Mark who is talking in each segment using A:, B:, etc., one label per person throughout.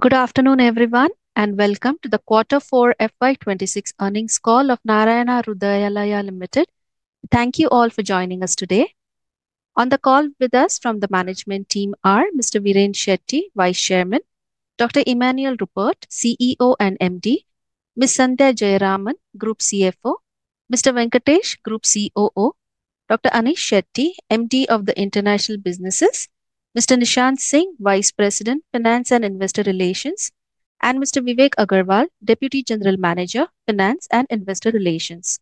A: Good afternoon, everyone, and welcome to the Quarter 4 FY 2026 earnings call of Narayana Hrudayalaya Limited. Thank you all for joining us today. On the call with us from the management team are Mr Viren Shetty, Vice Chairman, Dr Emmanuel Rupert, CEO and MD, Ms Sandhya Jayaraman, Group CFO, Mr Venkatesh, Group COO, Dr Anesh Shetty, MD of the International Businesses, Mr Nishant Singh, Vice President, Finance and Investor Relations, and Mr Vivek Agarwal, Deputy General Manager, Finance and Investor Relations.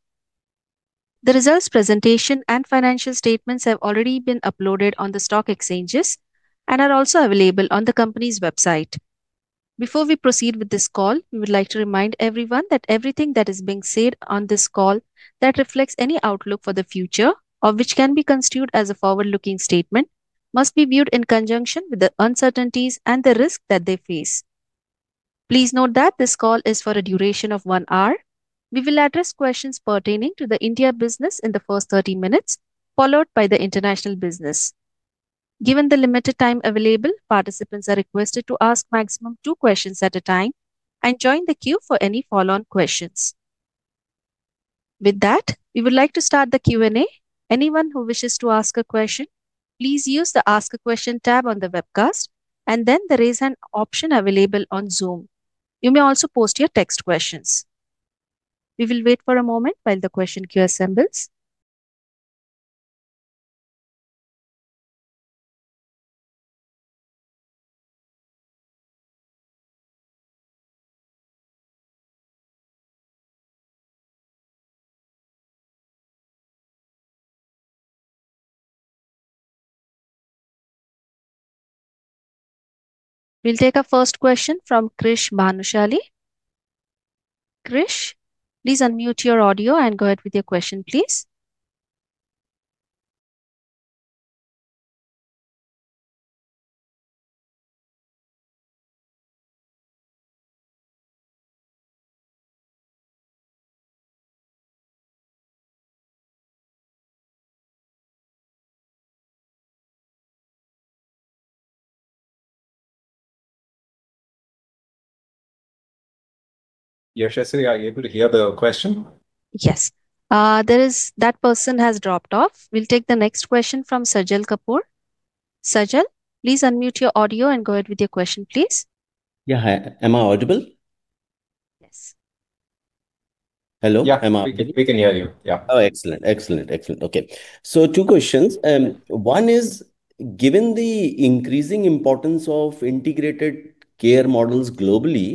A: The results presentation and financial statements have already been uploaded on the stock exchanges and are also available on the company's website. Before we proceed with this call, we would like to remind everyone that everything that is being said on this call that reflects any outlook for the future or which can be construed as a forward-looking statement must be viewed in conjunction with the uncertainties and the risks that they face. Please note that this call is for a duration of one hour. We will address questions pertaining to the India business in the first 30 minutes, followed by the international business. Given the limited time available, participants are requested to ask a maximum of two questions at a time and join the queue for any follow-on questions. With that, we would like to start the Q&A. Anyone who wishes to ask a question, please use the Ask a Question tab on the webcast, and then there is an option available on Zoom. You may also post your text questions. We will wait for a moment while the question queue assembles. We'll take the first question from Krish Bhanushali. Krish, please unmute your audio and go ahead with your question, please.
B: Yes, Ashley, are you able to hear the question?
A: Yes. That person has dropped off. We'll take the next question from Sajal Kapoor. Sajal, please unmute your audio and go ahead with your question, please.
C: Yeah. Am I audible?
B: Yes.
C: Hello? Am I-
B: Yeah. We can hear you. Yeah.
C: Oh, excellent. Okay. Two questions. One is, given the increasing importance of integrated care models globally,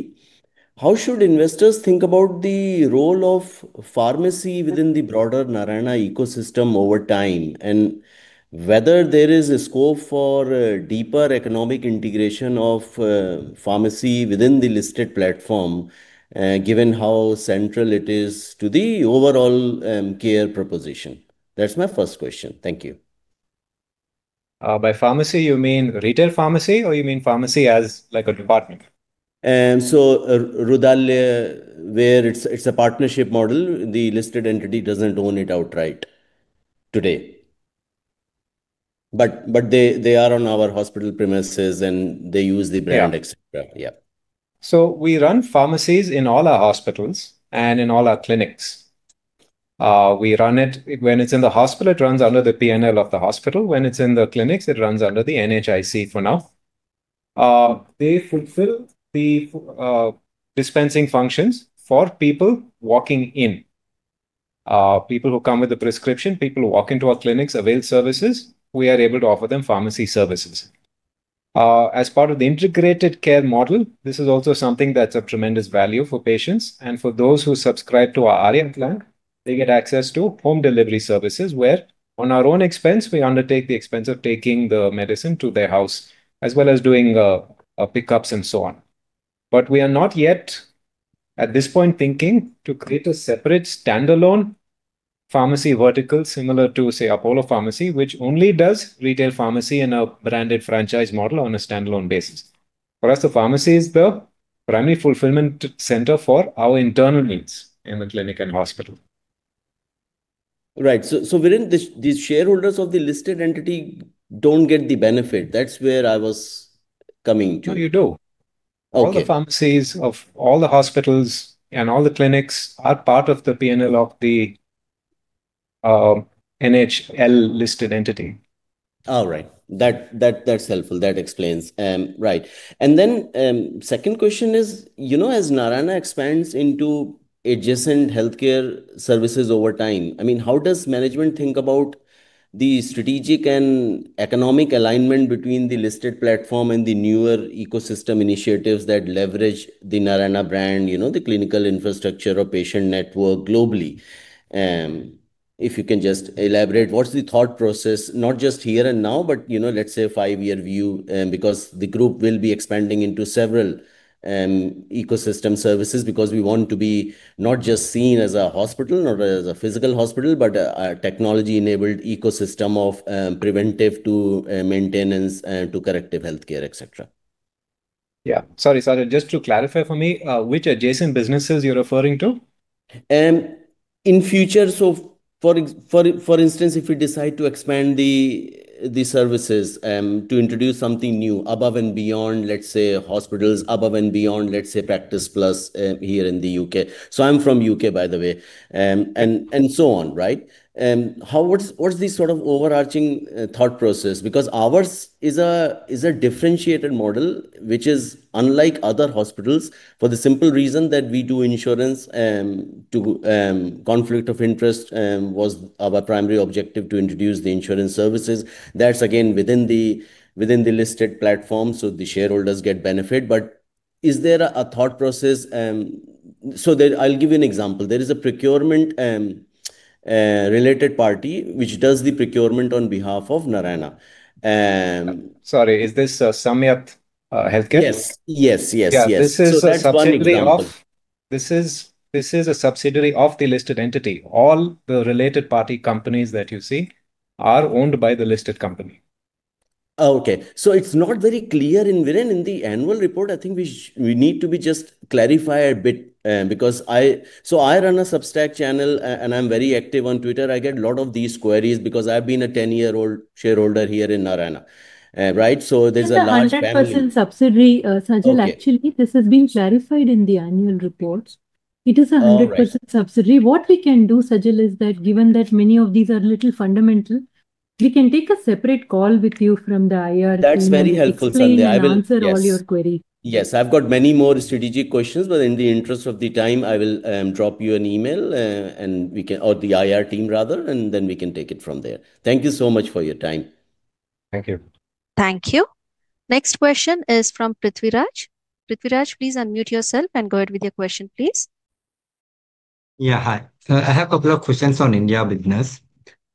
C: how should investors think about the role of pharmacy within the broader Narayana ecosystem over time, and whether there is a scope for deeper economic integration of pharmacy within the listed platform, given how central it is to the overall care proposition? That's my first question. Thank you.
B: By pharmacy you mean retail pharmacy or you mean pharmacy as like a department?
C: Hrudayalaya, where it's a partnership model, the listed entity doesn't own it outright today. They are on our hospital premises, and they use the brand, et cetera.
B: Yeah. We run pharmacies in all our hospitals and in all our clinics. When it's in the hospital, it runs under the P&L of the hospital. When it's in the clinics, it runs under the NHIC for now. They fulfill the dispensing functions for people walking in. People who come with a prescription, people who walk into our clinics, avail services, we are able to offer them pharmacy services. As part of the integrated care model, this is also something that's of tremendous value for patients and for those who subscribe to our Arya plan, they get access to home delivery services where on our own expense we undertake the expense of taking the medicine to their house as well as doing pickups and so on. We are not yet at this point thinking to create a separate standalone pharmacy vertical similar to say Apollo Pharmacy, which only does retail pharmacy in a branded franchise model on a standalone basis. For us, the pharmacy is the primary fulfillment center for our internal needs in the clinic and hospital.
C: Right. Viren, the shareholders of the listed entity don't get the benefit. That's where I was coming to.
B: You do.
C: Okay.
B: All the pharmacies of all the hospitals and all the clinics are part of the P&L of the NHL listed entity.
C: All right. That's helpful. That explains. Right. Then second question is, as Narayana expands into adjacent healthcare services over time, how does management think about the strategic and economic alignment between the listed platform and the newer ecosystem initiatives that leverage the Narayana brand, the clinical infrastructure or patient network globally? If you can just elaborate what's the thought process, not just here and now, but let's say five-year view because the group will be expanding into several ecosystem services because we want to be not just seen as a hospital or as a physical hospital, but a technology-enabled ecosystem of preventive to maintenance to corrective healthcare, et cetera.
B: Yeah. Sorry, just to clarify for me, which adjacent businesses are you referring to?
C: In future, for instance, if we decide to expand the services to introduce something new above and beyond, let's say hospitals, above and beyond, let's say Practice Plus here in the U.K. I'm from U.K., by the way, and so on. What is the overarching thought process? Because ours is a differentiated model, which is unlike other hospitals for the simple reason that we do insurance. Conflict of interest was our primary objective to introduce the insurance services. That's again within the listed platform, the shareholders get benefit. Is there a thought process? I'll give you an example. There is a procurement-related party which does the procurement on behalf of Narayana.
D: Sorry, is this Samyukta Health Care?
C: Yes.
D: Yeah. This is a subsidiary of the listed entity. All the related party companies that you see are owned by the listed company.
C: Okay. It's not very clear in reading in the annual report. I think we need to be just clarify a bit because I run a Substack channel, and I'm very active on X. I get a lot of these queries because I've been a 10-year-old shareholder here in Narayana. There's a large panel-
E: It is 100% subsidiary, Sajal. Actually, this has been clarified in the annual reports. It is 100% subsidiary. What we can do, Sajal, is that given that many of these are little fundamental, we can take a separate call with you from the IR team.
C: That's very helpful.
E: to explain and answer all your queries.
C: Yes. I've got many more strategic questions, but in the interest of the time, I will drop you an email, or the IR team rather, and then we can take it from there. Thank you so much for your time.
A: Thank you. Thank you. Next question is from Prithviraj. Prithviraj, please unmute yourself and go ahead with your question, please.
F: Yeah, hi. I have a couple of questions on India business.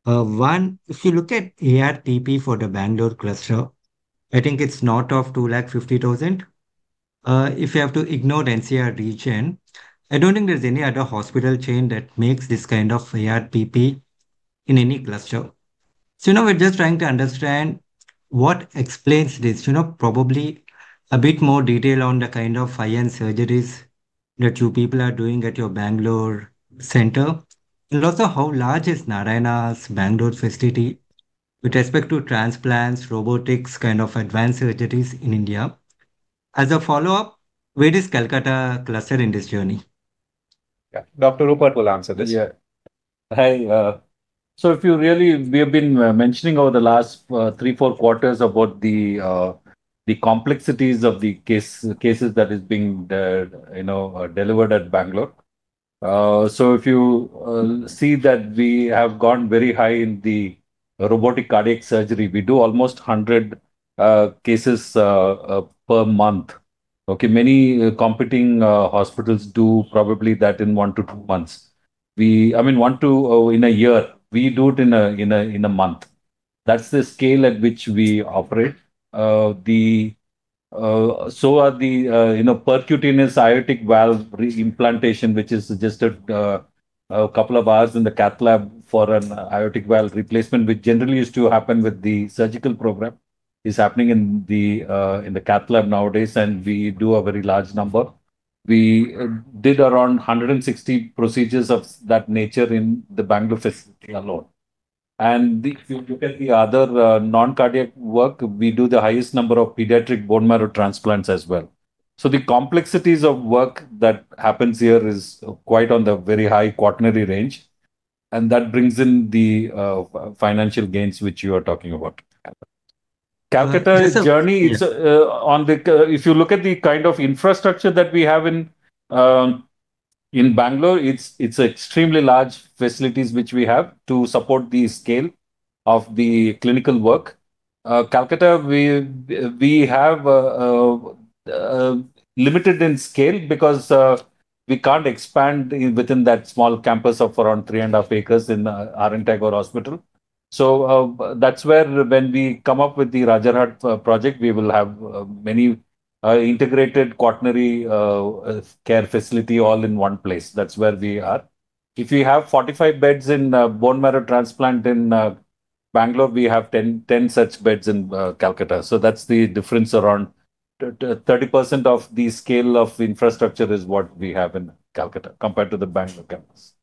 F: One, if you look at ARPIP for the Bangalore cluster, I think it's north of 250,000. If you have to ignore NCR region, I don't think there's any other hospital chain that makes this kind of ARPIP in any cluster. We're just trying to understand what explains this. Probably a bit more detail on the kind of high-end surgeries that you people are doing at your Bangalore center, and also how large is Narayana's Bangalore facility with respect to transplants, robotics, kind of advanced surgeries in India. As a follow-up, where is Kolkata cluster in this journey?
B: Yeah. Dr. Emmanuel Rupert will answer this.
G: Yeah. Hi. We have been mentioning over the last three, four quarters about the complexities of the cases that is being delivered at Bangalore. If you see that we have gone very high in the robotic cardiac surgery, we do almost 100 cases per month. Okay, many competing hospitals do probably that in one to two months. I mean, in a year. We do it in a month. That's the scale at which we operate. Are the percutaneous aortic valve implantation, which is just a couple of hours in the cath lab for an aortic valve replacement, which generally used to happen with the surgical program, is happening in the cath lab nowadays, and we do a very large number. We did around 160 procedures of that nature in the Bangalore facility alone. If you look at the other non-cardiac work, we do the highest number of pediatric bone marrow transplants as well. The complexities of work that happens here is quite on the very high quaternary range, and that brings in the financial gains which you are talking about. Kolkata's journey, if you look at the kind of infrastructure that we have in Bangalore, it's extremely large facilities which we have to support the scale of the clinical work. Kolkata, we have limited in scale because we can't expand within that small campus of around three and a half acres in R.N. Tagore Hospital. That's where when we come up with the Rajarhat project, we will have many integrated quaternary care facility all in one place. That's where we are. If we have 45 beds in bone marrow transplant in Bangalore, we have 10 such beds in Kolkata. That's the difference. Around 30% of the scale of infrastructure is what we have in Kolkata compared to the Bengaluru campus.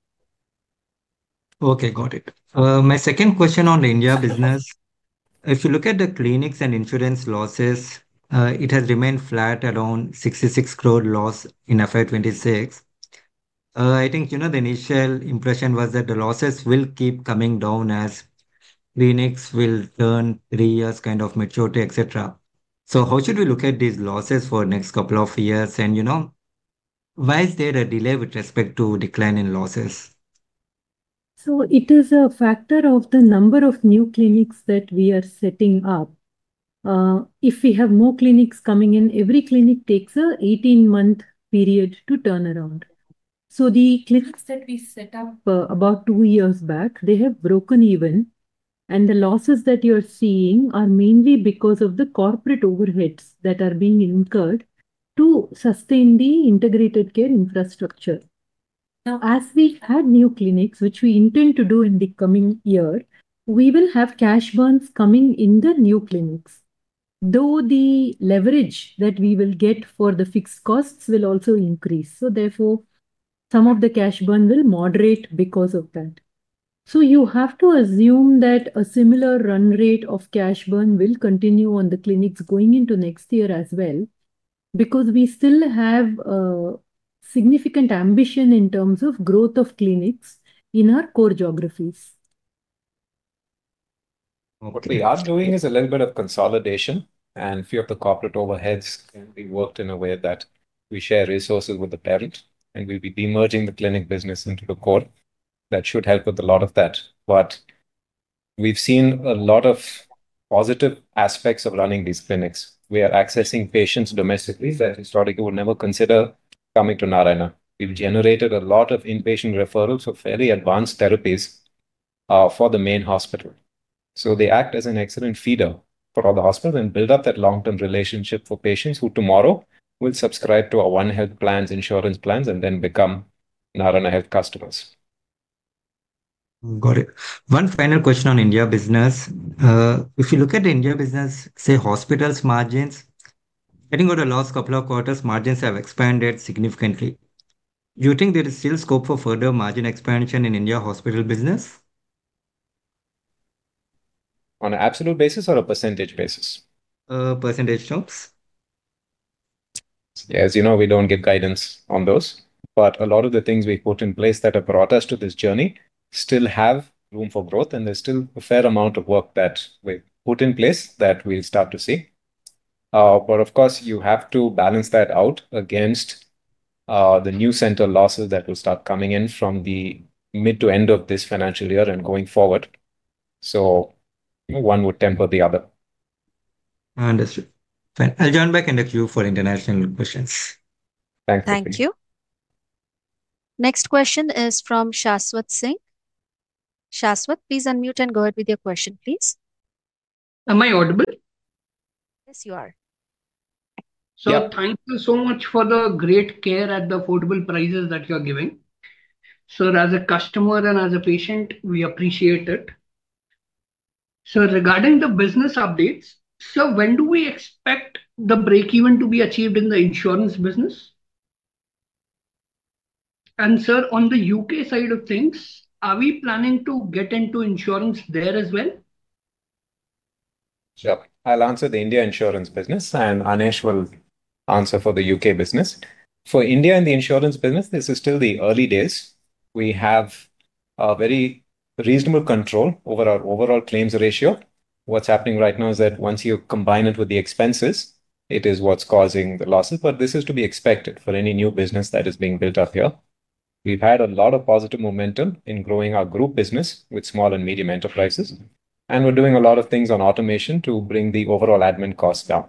F: Okay, got it. My second question on India business, if you look at the clinics and insurance losses, it has remained flat around 66 crore loss in FY 2026. I think, the initial impression was that the losses will keep coming down as clinics will turn three years kind of maturity, et cetera. How should we look at these losses for next couple of years? Why is there a delay with respect to decline in losses?
D: It is a factor of the number of new clinics that we are setting up. If we have more clinics coming in, every clinic takes an 18-month period to turn around. The clinics that we set up about two years back, they have broken even, and the losses that you're seeing are mainly because of the corporate overheads that are being incurred to sustain the integrated care infrastructure. As we add new clinics, which we intend to do in the coming year, we will have cash burns coming in the new clinics, though the leverage that we will get for the fixed costs will also increase. Therefore, some of the cash burn will moderate because of that. You have to assume that a similar run rate of cash burn will continue on the clinics going into next year as well, because we still have a significant ambition in terms of growth of clinics in our core geographies.
B: What we are doing is a little bit of consolidation, and a few of the corporate overheads can be worked in a way that we share resources with the parent, and we'll be demerging the clinic business into the core. That should help with a lot of that. We've seen a lot of positive aspects of running these clinics. We are accessing patients domestically that historically would never consider coming to Narayana Health. We've generated a lot of inpatient referrals for very advanced therapies for the main hospital. They act as an excellent feeder for our hospitals and build up that long-term relationship for patients who tomorrow will subscribe to our One Health plans, insurance plans, and then become Narayana Health customers.
F: Got it. One final question on India business. If you look at India business, say, hospitals margins, depending on the last couple of quarters, margins have expanded significantly. Do you think there is still scope for further margin expansion in India hospital business?
B: On absolute basis or a percentage basis?
F: Percentage looks.
B: As you know, we don't give guidance on those, a lot of the things we put in place that have brought us to this journey still have room for growth, and there's still a fair amount of work that we put in place that we'll start to see. Of course, you have to balance that out against the new center losses that will start coming in from the mid to end of this financial year and going forward. One would temper the other.
F: Understood. Thank you. Join back in the queue for international questions.
B: Thanks.
A: Thank you. Next question is from Shashwat Singh. Shashwat, please unmute and go ahead with your question, please.
H: Am I audible?
D: Yes, you are.
H: Sir, thank you so much for the great care at the affordable prices that you're giving. As a customer and as a patient, we appreciate it. Regarding the business updates, sir, when do we expect the breakeven to be achieved in the insurance business? Sir, on the U.K. side of things, are we planning to get into insurance there as well?
B: Sure. I'll answer the India insurance business, and Anesh Shetty will answer for the U.K. business. For India and the insurance business, this is still the early days. We have a very reasonable control over our overall claims ratio. What's happening right now is that once you combine it with the expenses, it is what's causing the losses, but this is to be expected for any new business that is being built up here. We've had a lot of positive momentum in growing our group business with small and medium enterprises, and we're doing a lot of things on automation to bring the overall admin costs down.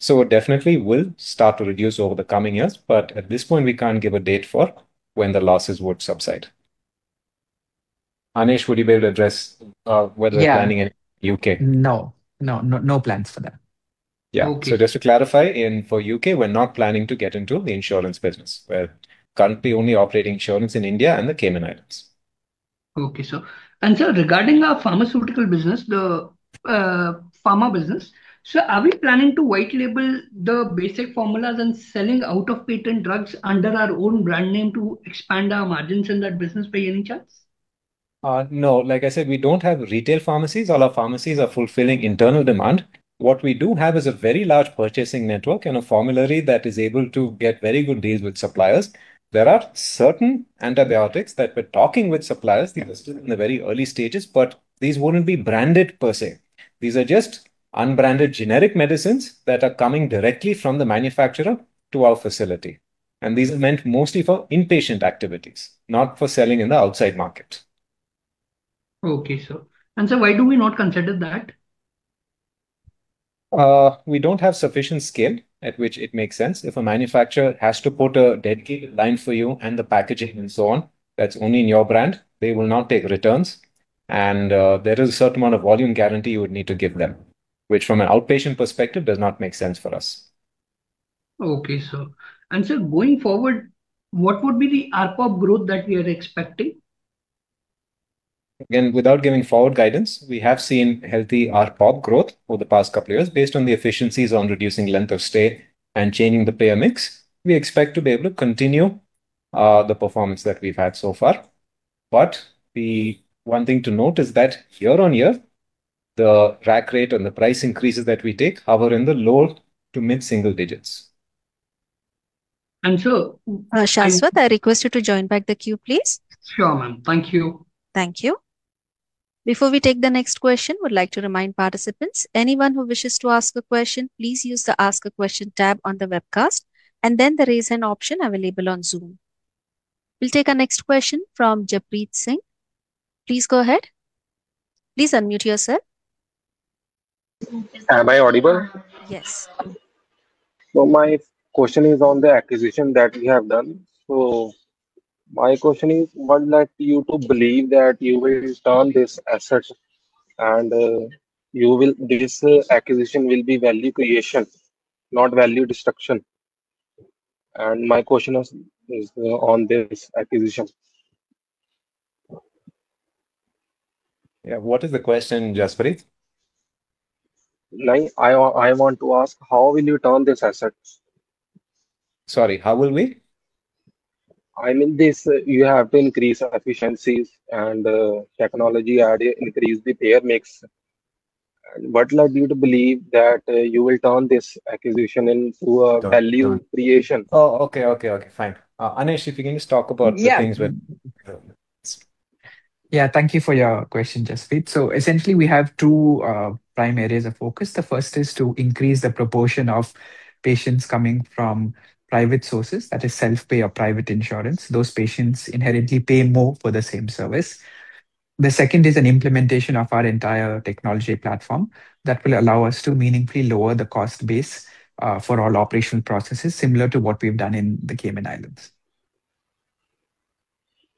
B: It definitely will start to reduce over the coming years, but at this point, we can't give a date for when the losses would subside. Anesh Shetty, would you be able to address whether we're planning in U.K.?
I: Yeah. No, no plans for that.
B: Yeah.
I: Okay.
B: Just to clarify, for U.K., we're not planning to get into the insurance business. We're currently only operating insurance in India and the Cayman Islands.
H: Okay, sir. Sir, regarding our pharmaceutical business, the pharma business, sir, are we planning to white label the basic formulas and selling out-of-patent drugs under our own brand name to expand our margins in that business by any chance?
B: No. Like I said, we don't have retail pharmacies. All our pharmacies are fulfilling internal demand. What we do have is a very large purchasing network and a formulary that is able to get very good deals with suppliers. There are certain antibiotics that we're talking with suppliers because this is in the very early stages, but these wouldn't be branded per se. These are just unbranded generic medicines that are coming directly from the manufacturer to our facility, and these are meant mostly for inpatient activities, not for selling in the outside market.
H: Okay, sir. Sir, why do we not consider that?
B: We don't have sufficient scale at which it makes sense. If a manufacturer has to put a dedicated line for you and the packaging and so on, that's only in your brand, they will not take returns, and there is a certain amount of volume guarantee you would need to give them, which from an outpatient perspective does not make sense for us.
H: Okay, sir. Sir, going forward, what would be the ARPOB growth that we are expecting?
B: Without giving forward guidance, we have seen healthy ARPOB growth over the past couple of years based on the efficiencies on reducing length of stay and changing the payer mix. We expect to be able to continue the performance that we've had so far. The one thing to note is that year-on-year, the rack rate and the price increases that we take are in the low to mid-single digits.
H: And sir-
A: Shashwat, I request you to join back the queue, please.
H: Sure, ma'am. Thank you.
A: Thank you. Before we take the next question, would like to remind participants, anyone who wishes to ask a question, please use the Ask a Question tab on the webcast, and then the Raise Hand option available on Zoom. We'll take the next question from Jaspreet Singh Arora. Please go ahead. Please unmute yourself.
J: Am I audible?
A: Yes.
J: My question is on the acquisition that you have done. My question is, what led you to believe that you will turn this asset and this acquisition will be value creation, not value destruction? My question is on this acquisition.
B: Yeah. What is the question, Jaspreet?
J: I want to ask, how will you turn this asset?
B: Sorry, how will we?
J: I mean, you have to increase efficiencies and technology, increase the payer mix. What leads you to believe that you will turn this acquisition into a value creation?
B: Oh, okay. Fine. Anesh, if you can just talk about these things.
I: Yeah. Thank you for your question, Jaspreet. Essentially we have two primary areas of focus. The first is to increase the proportion of patients coming from private sources, that is self-pay or private insurance. Those patients inherently pay more for the same service. The second is an implementation of our entire technology platform that will allow us to meaningfully lower the cost base for all operational processes, similar to what we've done in the Cayman Islands.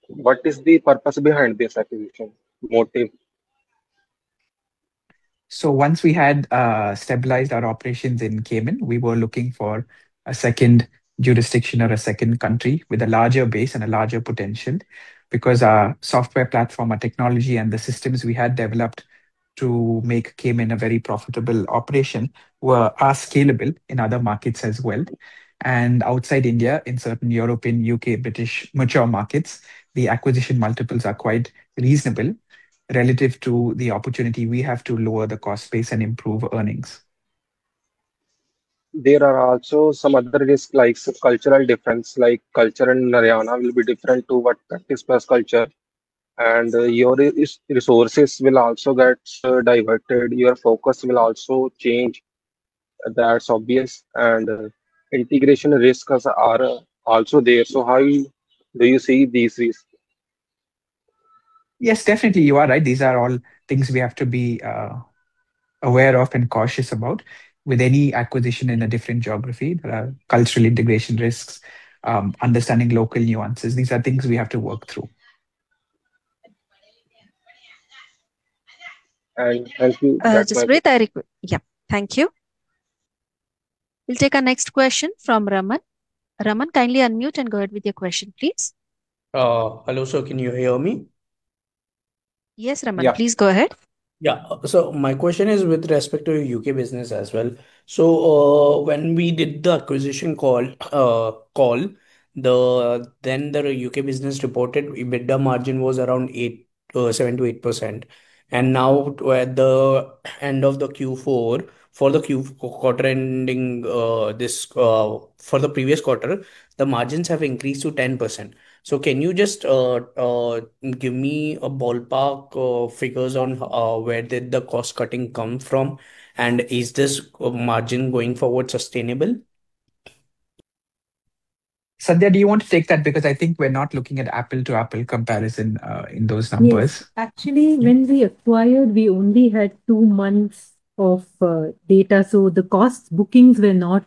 J: What is the purpose behind this acquisition motive?
I: Once we had stabilized our operations in Cayman, we were looking for a second jurisdiction or a second country with a larger base and a larger potential because our software platform, our technology, and the systems we had developed to make Cayman a very profitable operation were scalable in other markets as well. Outside India, in certain European, U.K., British mature markets, the acquisition multiples are quite reasonable relative to the opportunity we have to lower the cost base and improve earnings.
J: There are also some other risks, like cultural difference, like culture in Narayana will be different to what Practice Plus culture, your resources will also get diverted. Your focus will also change. That's obvious. Integration risks are also there. How do you see these risks?
I: Yes, definitely. You are right. These are all things we have to be aware of and cautious about with any acquisition in a different geography. There are cultural integration risks, understanding local nuances. These are things we have to work through.
J: And I think-
A: Jaspreet. Yeah, thank you. We'll take our next question from Raman. Raman, kindly unmute and go ahead with your question, please.
K: Hello, sir. Can you hear me?
A: Yes, Raman. Please go ahead.
K: My question is with respect to U.K. business as well. When we did the acquisition call, the U.K. business reported EBITDA margin was around 7%-8%. Now at the end of Q4, for the previous quarter, the margins have increased to 10%. Can you just give me ballpark figures on where did the cost-cutting come from, and is this margin going forward sustainable?
I: Sandhya, do you want to take that? I think we're not looking at apple-to-apple comparison in those numbers.
D: Actually, when we acquired, we only had two months of data, so the cost bookings were not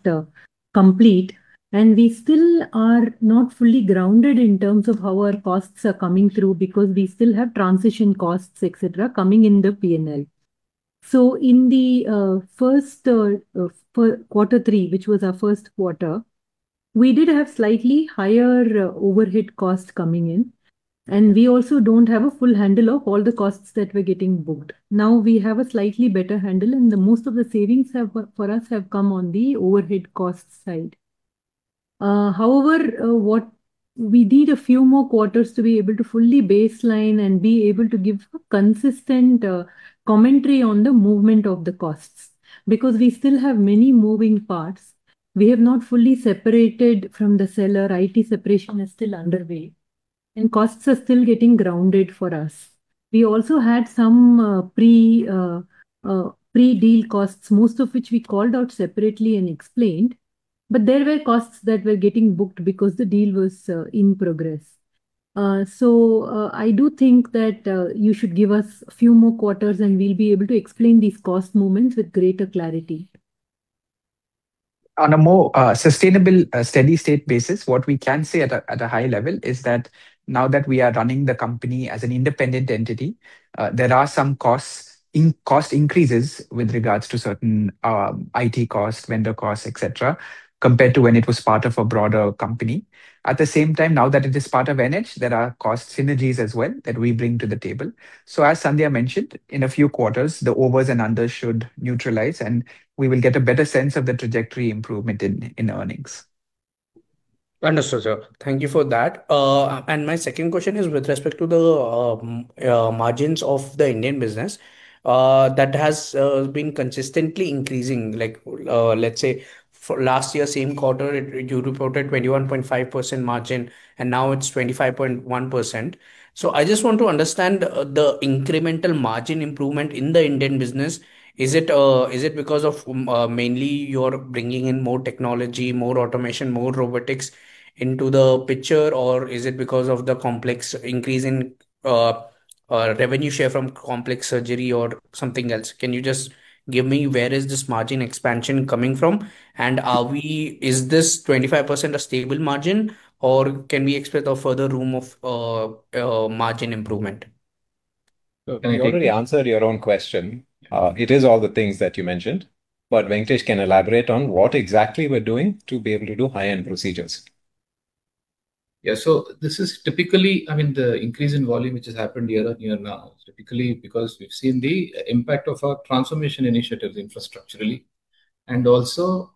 D: complete, and we still are not fully grounded in terms of how our costs are coming through because we still have transition costs, et cetera, coming in the P&L. In the Q3, which was our first quarter, we did have slightly higher overhead costs coming in, and we also don't have a full handle of all the costs that were getting booked. Now we have a slightly better handle, and most of the savings for us have come on the overhead cost side. We need a few more quarters to be able to fully baseline and be able to give consistent commentary on the movement of the costs because we still have many moving parts. We are not fully separated from the seller. IT separation is still underway, and costs are still getting grounded for us. We also had some pre-deal costs, most of which we called out separately and explained, but there were costs that were getting booked because the deal was in progress. I do think that you should give us a few more quarters, and we'll be able to explain these cost movements with greater clarity.
I: On a more sustainable steady-state basis, what we can say at a high level is that now that we are running the company as an independent entity, there are some cost increases with regards to certain IT costs, vendor costs, et cetera, compared to when it was part of a broader company. At the same time, now that it is part of NH, there are cost synergies as well that we bring to the table. As Sandhya mentioned, in a few quarters, the overs and unders should neutralize, and we will get a better sense of the trajectory improvement in earnings.
K: Understood, sir. Thank you for that. My second question is with respect to the margins of the Indian business that has been consistently increasing. Let's say last year, same quarter, you reported 21.5% margin, and now it's 25.1%. I just want to understand the incremental margin improvement in the Indian business. Is it because of mainly you're bringing in more technology, more automation, more robotics into the picture, or is it because of the complex increase in revenue share from complex surgery or something else? Can you just give me where is this margin expansion coming from? Is this 25% a stable margin, or can we expect a further room of margin improvement?
B: You already answered your own question. It is all the things that you mentioned, but Venkatesh can elaborate on what exactly we're doing to be able to do high-end procedures.
L: Yeah. This is typically the increase in volume which has happened year-on-year now, typically because we've seen the impact of our transformation initiatives infrastructurally, and also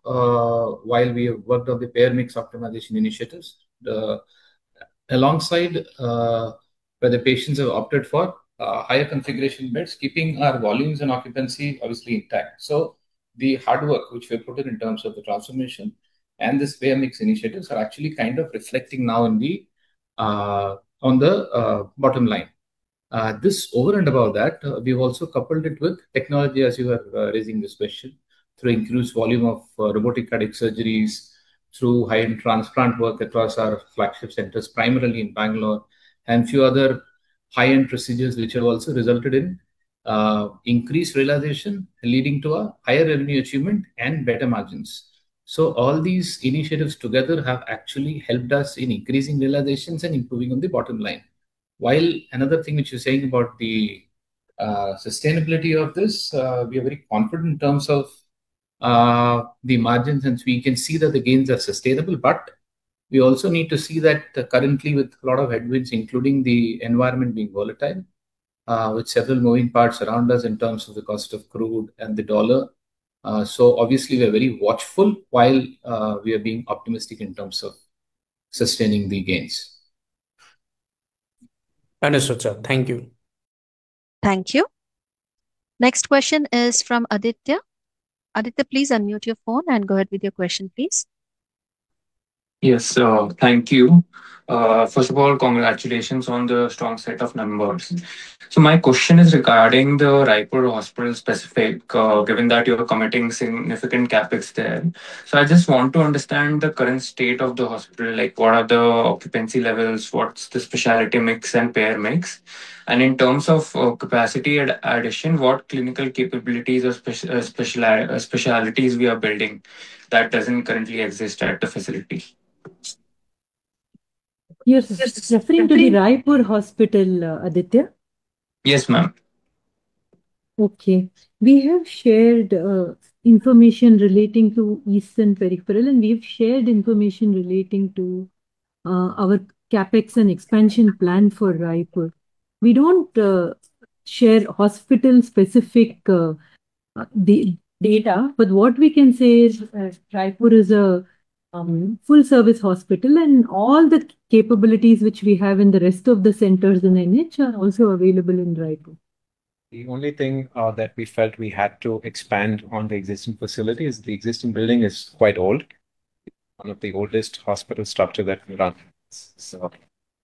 L: while we have worked on the payer mix optimization initiatives, alongside where the patients have opted for higher configuration beds, keeping our volumes and occupancy obviously intact. The hard work which we've put in terms of the transformation and this payer mix initiatives are actually reflecting now on the bottom line. This over and above that, we've also coupled it with technology as you were raising this question to increase volume of robotic cardiac surgeries through high-end transplant work across our flagship centers, primarily in Bangalore, and few other high-end procedures which have also resulted in increased realization leading to a higher revenue achievement and better margins. All these initiatives together have actually helped us in increasing realizations and improving on the bottom line. Another thing which you're saying about the sustainability of this, we are very confident in terms of the margins since we can see that the gains are sustainable, but we also need to see that currently with a lot of headwinds, including the environment being volatile, with several moving parts around us in terms of the cost of crude and the dollar. Obviously, we are very watchful while we are being optimistic in terms of sustaining the gains.
K: Understood, sir. Thank you.
A: Thank you. Next question is from Aditya. Aditya, please unmute your phone and go ahead with your question, please.
M: Yes. Thank you. First of all, congratulations on the strong set of numbers. My question is regarding the Raipur hospital specific, given that you're committing significant CapEx there. I just want to understand the current state of the hospital, like what are the occupancy levels, what's the specialty mix and payer mix, and in terms of capacity addition, what clinical capabilities or specialties we are building that doesn't currently exist at the facility?
D: You're referring to the Raipur hospital, Aditya?
M: Yes, ma'am.
D: Okay. We have shared information relating to east and peripheral, and we've shared information relating to our CapEx and expansion plan for Raipur. We don't share hospital-specific data, but what we can say is Raipur is a full-service hospital, and all the capabilities which we have in the rest of the centers in NH are also available in Raipur.
B: The only thing that we felt we had to expand on the existing facility is the existing building is quite old. One of the oldest hospital structure that we run.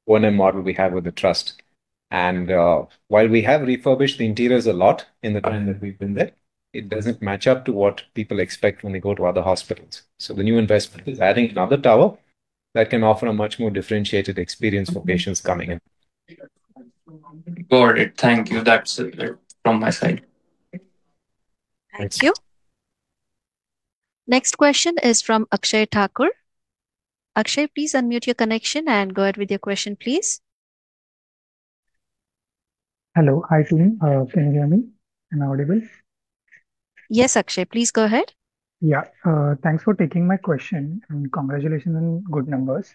B: One model we have with the trust. While we have refurbished the interiors a lot in the time that we've been there, it doesn't match up to what people expect when they go to other hospitals. The new investment is adding another tower that can offer a much more differentiated experience for patients coming in.
M: Got it. Thank you. That is it from my side.
A: Thank you. Next question is from Akshay Thakur. Akshay, please unmute your connection and go ahead with your question, please.
N: Hello. Hi, Shalini. Can you hear me? Am I audible?
A: Yes, Akshay, please go ahead.
N: Yeah. Thanks for taking my question. Congratulations on good numbers.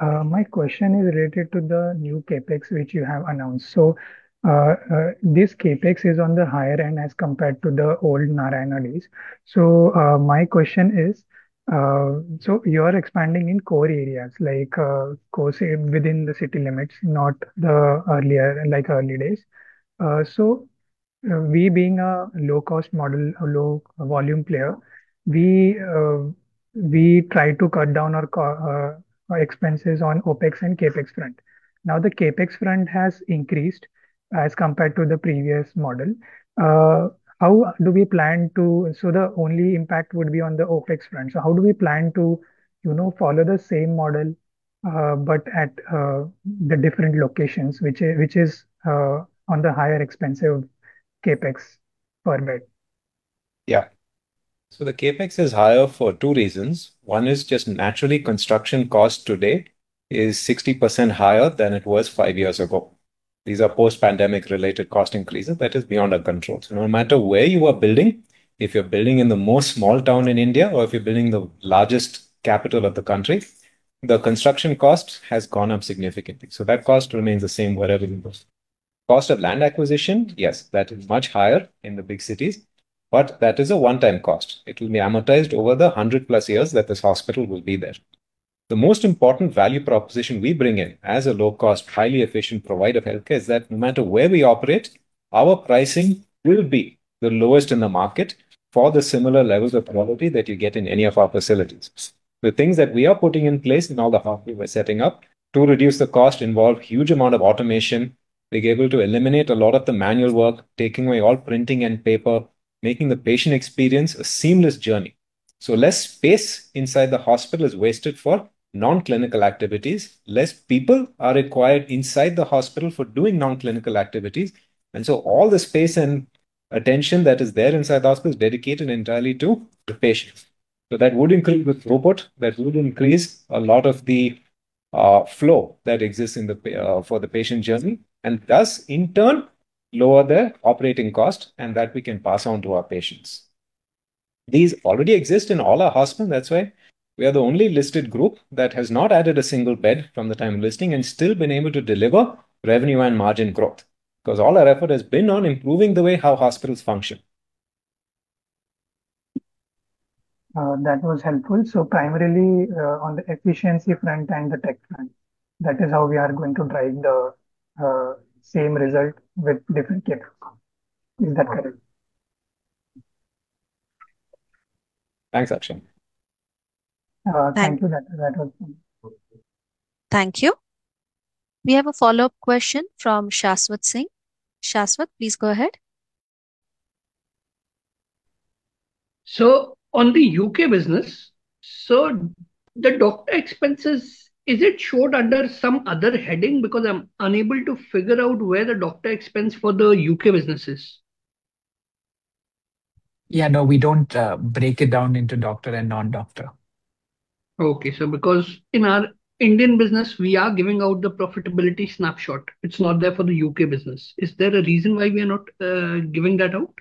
N: My question is related to the new CapEx which you have announced. This CapEx is on the higher end as compared to the old Narayana days. My question is, you are expanding in core areas like within the city limits, not like earlier days. We being a low-cost model, a low volume player, we try to cut down our expenses on OpEx and CapEx front. Now, the CapEx front has increased as compared to the previous model. The only impact would be on the OpEx front. How do we plan to follow the same model, but at the different locations, which is on the higher expensive CapEx per bed?
B: Yeah. The CapEx is higher for two reasons. One is just naturally construction cost today is 60% higher than it was five years ago. These are post-pandemic related cost increases that is beyond our control. No matter where you are building, if you're building in the most small town in India or if you're building the largest capital of the country, the construction cost has gone up significantly. That cost remains the same wherever you go. Cost of land acquisition, yes, that is much higher in the big cities, but that is a one-time cost. It will be amortized over the 100 plus years that this hospital will be there. The most important value proposition we bring in as a low-cost, highly efficient provider of healthcare is that no matter where we operate, our pricing will be the lowest in the market for the similar levels of quality that you get in any of our facilities. The things that we are putting in place in all the hospitals we're setting up to reduce the cost involved, huge amount of automation, being able to eliminate a lot of the manual work, taking away all printing and paper, making the patient experience a seamless journey. Less space inside the hospital is wasted for non-clinical activities. Less people are required inside the hospital for doing non-clinical activities. All the space and attention that is there inside the hospital is dedicated entirely to the patient. That would include with robot, that would increase a lot of the flow that exists for the patient journey, and thus in turn, lower their operating cost and that we can pass on to our patients. These already exist in all our hospitals. That is why we are the only listed group that has not added a single bed from the time of listing and still been able to deliver revenue and margin growth, because all our effort has been on improving the way how hospitals function.
N: That was helpful. Primarily, on the efficiency front and the tech front, that is how we are going to drive the same result with different care. Is that correct?
B: Thanks, Akshay Thakur.
N: Thank you. That helps me.
A: Thank you. We have a follow-up question from Shashwat Singh. Shashwat, please go ahead.
H: Sir, on the U.K. business, sir, the doctor expenses, is it shown under some other heading? Because I'm unable to figure out where the doctor expense for the U.K. business is.
I: Yeah, no, we don't break it down into doctor and non-doctor.
H: Okay. Sir, in our Indian business, we are giving out the profitability snapshot. It's not there for the U.K. business. Is there a reason why we are not giving that out?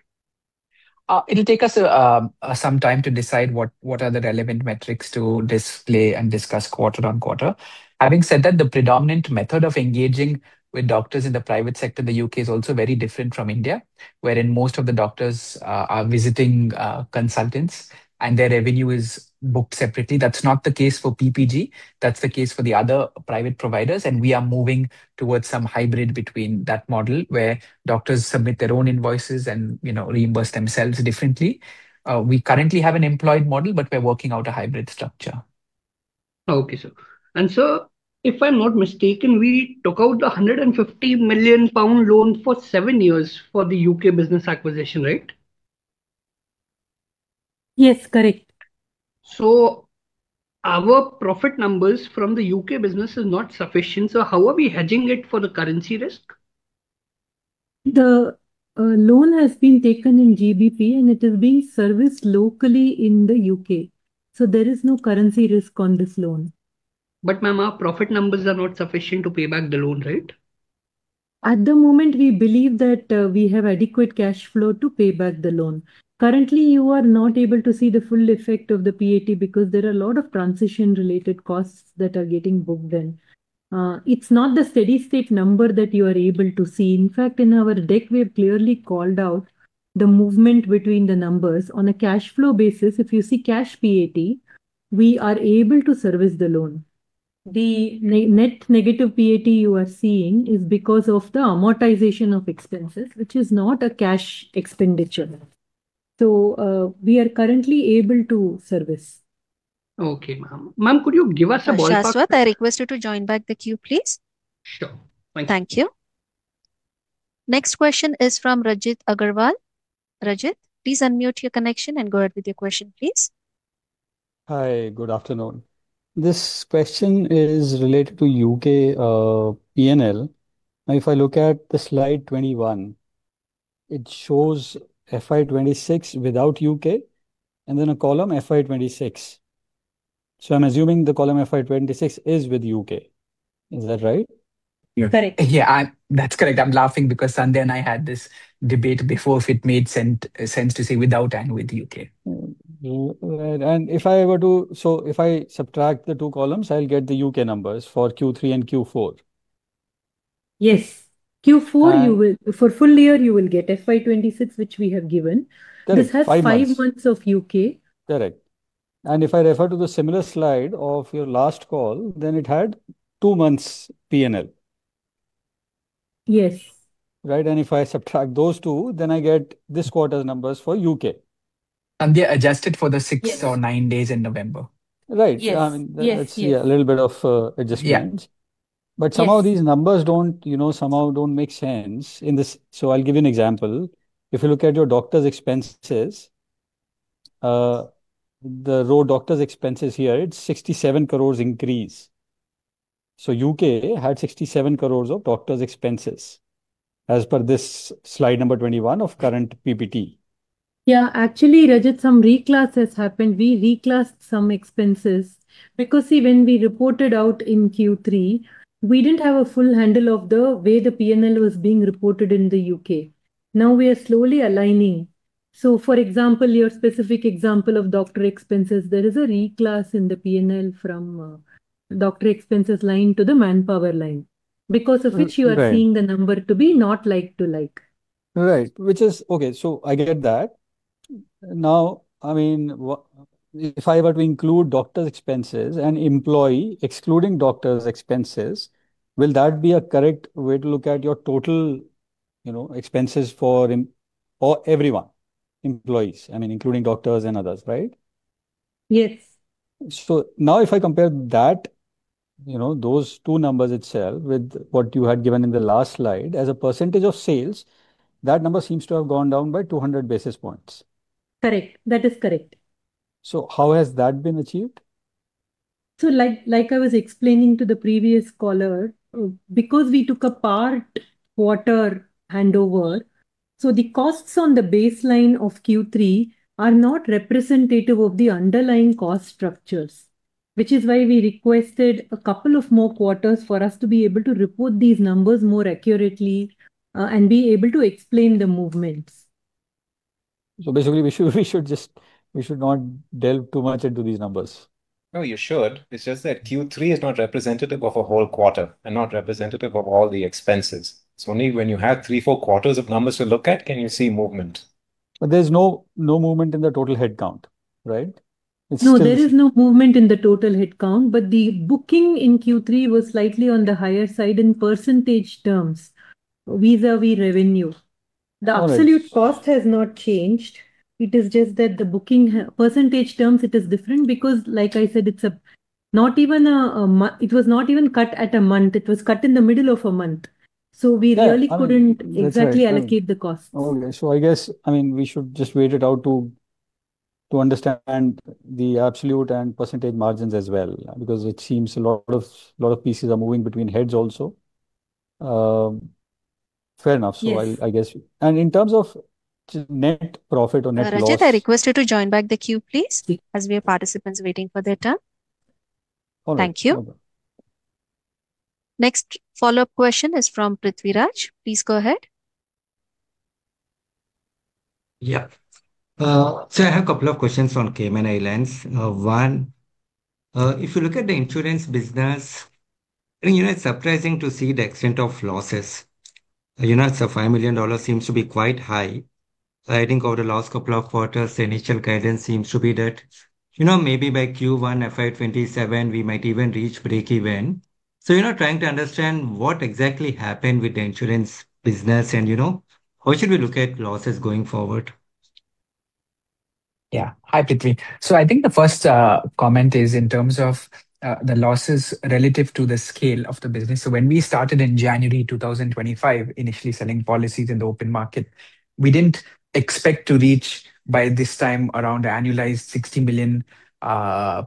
I: It'll take us some time to decide what are the relevant metrics to display and discuss quarter on quarter. Having said that, the predominant method of engaging with doctors in the private sector in the U.K. is also very different from India, wherein most of the doctors are visiting consultants and their revenue is booked separately. That's not the case for PPG, that's the case for the other private providers, and we are moving towards some hybrid between that model where doctors submit their own invoices and reimburse themselves differently. We currently have an employed model, but we're working out a hybrid structure.
H: Okay, sir. Sir, if I'm not mistaken, we took out 150 million pound loan for seven years for the U.K. business acquisition, right?
D: Yes. Correct.
H: Our profit numbers from the U.K. business is not sufficient. How are we hedging it for the currency risk?
D: The loan has been taken in GBP, and it is being serviced locally in the U.K., so there is no currency risk on this loan.
H: Ma'am, our profit numbers are not sufficient to pay back the loan, right?
D: At the moment, we believe that we have adequate cash flow to pay back the loan. Currently, you are not able to see the full effect of the PAT because there are a lot of transition-related costs that are getting booked in. It's not the steady state number that you are able to see. In fact, in our deck, we have clearly called out the movement between the numbers. On a cash flow basis, if you see cash PAT, we are able to service the loan. The net negative PAT you are seeing is because of the amortization of expenses, which is not a cash expenditure. We are currently able to service.
H: Okay, ma'am. Ma'am, could you give us a guidance-
A: Shashwat, I request you to join back with you, please.
H: Sure.
A: Thank you. Next question is from Rajat Agrawal. Rajat, please unmute your connection and go ahead with your question, please.
O: Hi. Good afternoon. This question is related to U.K. P&L. If I look at the slide 21, it shows FY 2026 without U.K., and then a column FY 2026. I'm assuming the column FY 2026 is with U.K. Is that right?
I: Yeah, that's correct. I'm laughing because Sandhya and I had this debate before if it made sense to say without and with U.K.
O: If I subtract the two columns, I'll get the U.K. numbers for Q3 and Q4.
D: Yes. For full year, you will get FY 2026, which we have given.
O: Correct.
D: This has five months of U.K.
O: Correct. If I refer to the similar slide of your last call, then it had two months P&L.
D: Yes.
O: Right. If I subtract those two, then I get this quarter numbers for U.K.
I: They are adjusted for the six or nine days in November.
O: Right.
D: Yes.
O: A little bit of adjustments.
D: Yes.
O: Some of these numbers somehow don't make sense in this. I'll give you an example. If you look at your doctor's expenses, the row doctor's expenses here, it's 67 crores increase. U.K. had 67 crores of doctor's expenses as per this slide number 21 of current PPT.
D: Yeah. Actually, Rajat, some reclass has happened. We reclassed some expenses because, see, when we reported out in Q3, we didn't have a full handle of the way the P&L was being reported in the U.K. Now we are slowly aligning. For example, your specific example of doctor expenses, there is a reclass in the P&L from doctor expenses line to the manpower line, because of which you are seeing the number to be not like to like.
O: Right. Okay, I get that. Now, if I were to include doctor's expenses and employee, excluding doctor's expenses, will that be a correct way to look at your total expenses for everyone, employees, including doctors and others, right?
D: Yes.
O: Now if I compare that, those two numbers itself with what you had given in the last slide as a percentage of sales, that number seems to have gone down by 200 basis points.
D: Correct. That is correct.
O: How has that been achieved?
D: Like I was explaining to the previous caller, because we took a part quarter handover, so the costs on the baseline of Q3 are not representative of the underlying cost structures. Which is why we requested a couple of more quarters for us to be able to report these numbers more accurately and be able to explain the movements.
O: Basically, we should not delve too much into these numbers.
B: No, you should. It's just that Q3 is not representative of a whole quarter and not representative of all the expenses. It's only when you have three, four quarters of numbers to look at, can you see movement.
O: There's no movement in the total headcount, right?
D: No, there is no movement in the total headcount, but the booking in Q3 was slightly on the higher side in percentage terms vis-à-vis revenue.
O: All right.
D: The absolute cost has not changed. It is just that the booking percentage terms, it is different because like I said, it was not even cut at a month. It was cut in the middle of a month. We really couldn't exactly allocate the costs.
O: Exactly. I guess, we should just wait it out to understand the absolute and percentage margins as well, because it seems a lot of pieces are moving between heads also. Fair enough.
D: Yes.
O: I guess. In terms of net profit on this.
A: Rajat Sharma, I request you to join back the queue, please, as we have participants waiting for their turn.
O: All right.
A: Thank you. Next follow-up question is from Prithviraj. Please go ahead.
F: Yeah. I have a couple of questions on Cayman Islands. One, if you look at the insurance business, it's surprising to see the extent of losses. $5 million seems to be quite high. I think over the last couple of quarters, the initial guidance seems to be that, maybe by Q1 FY 2027, we might even reach breakeven. Trying to understand what exactly happened with the insurance business, and how should we look at losses going forward?
I: Happy to take. I think the first comment is in terms of the losses relative to the scale of the business. When we started in January 2025, initially selling policies in the open market, we didn't expect to reach by this time around annualized 60 million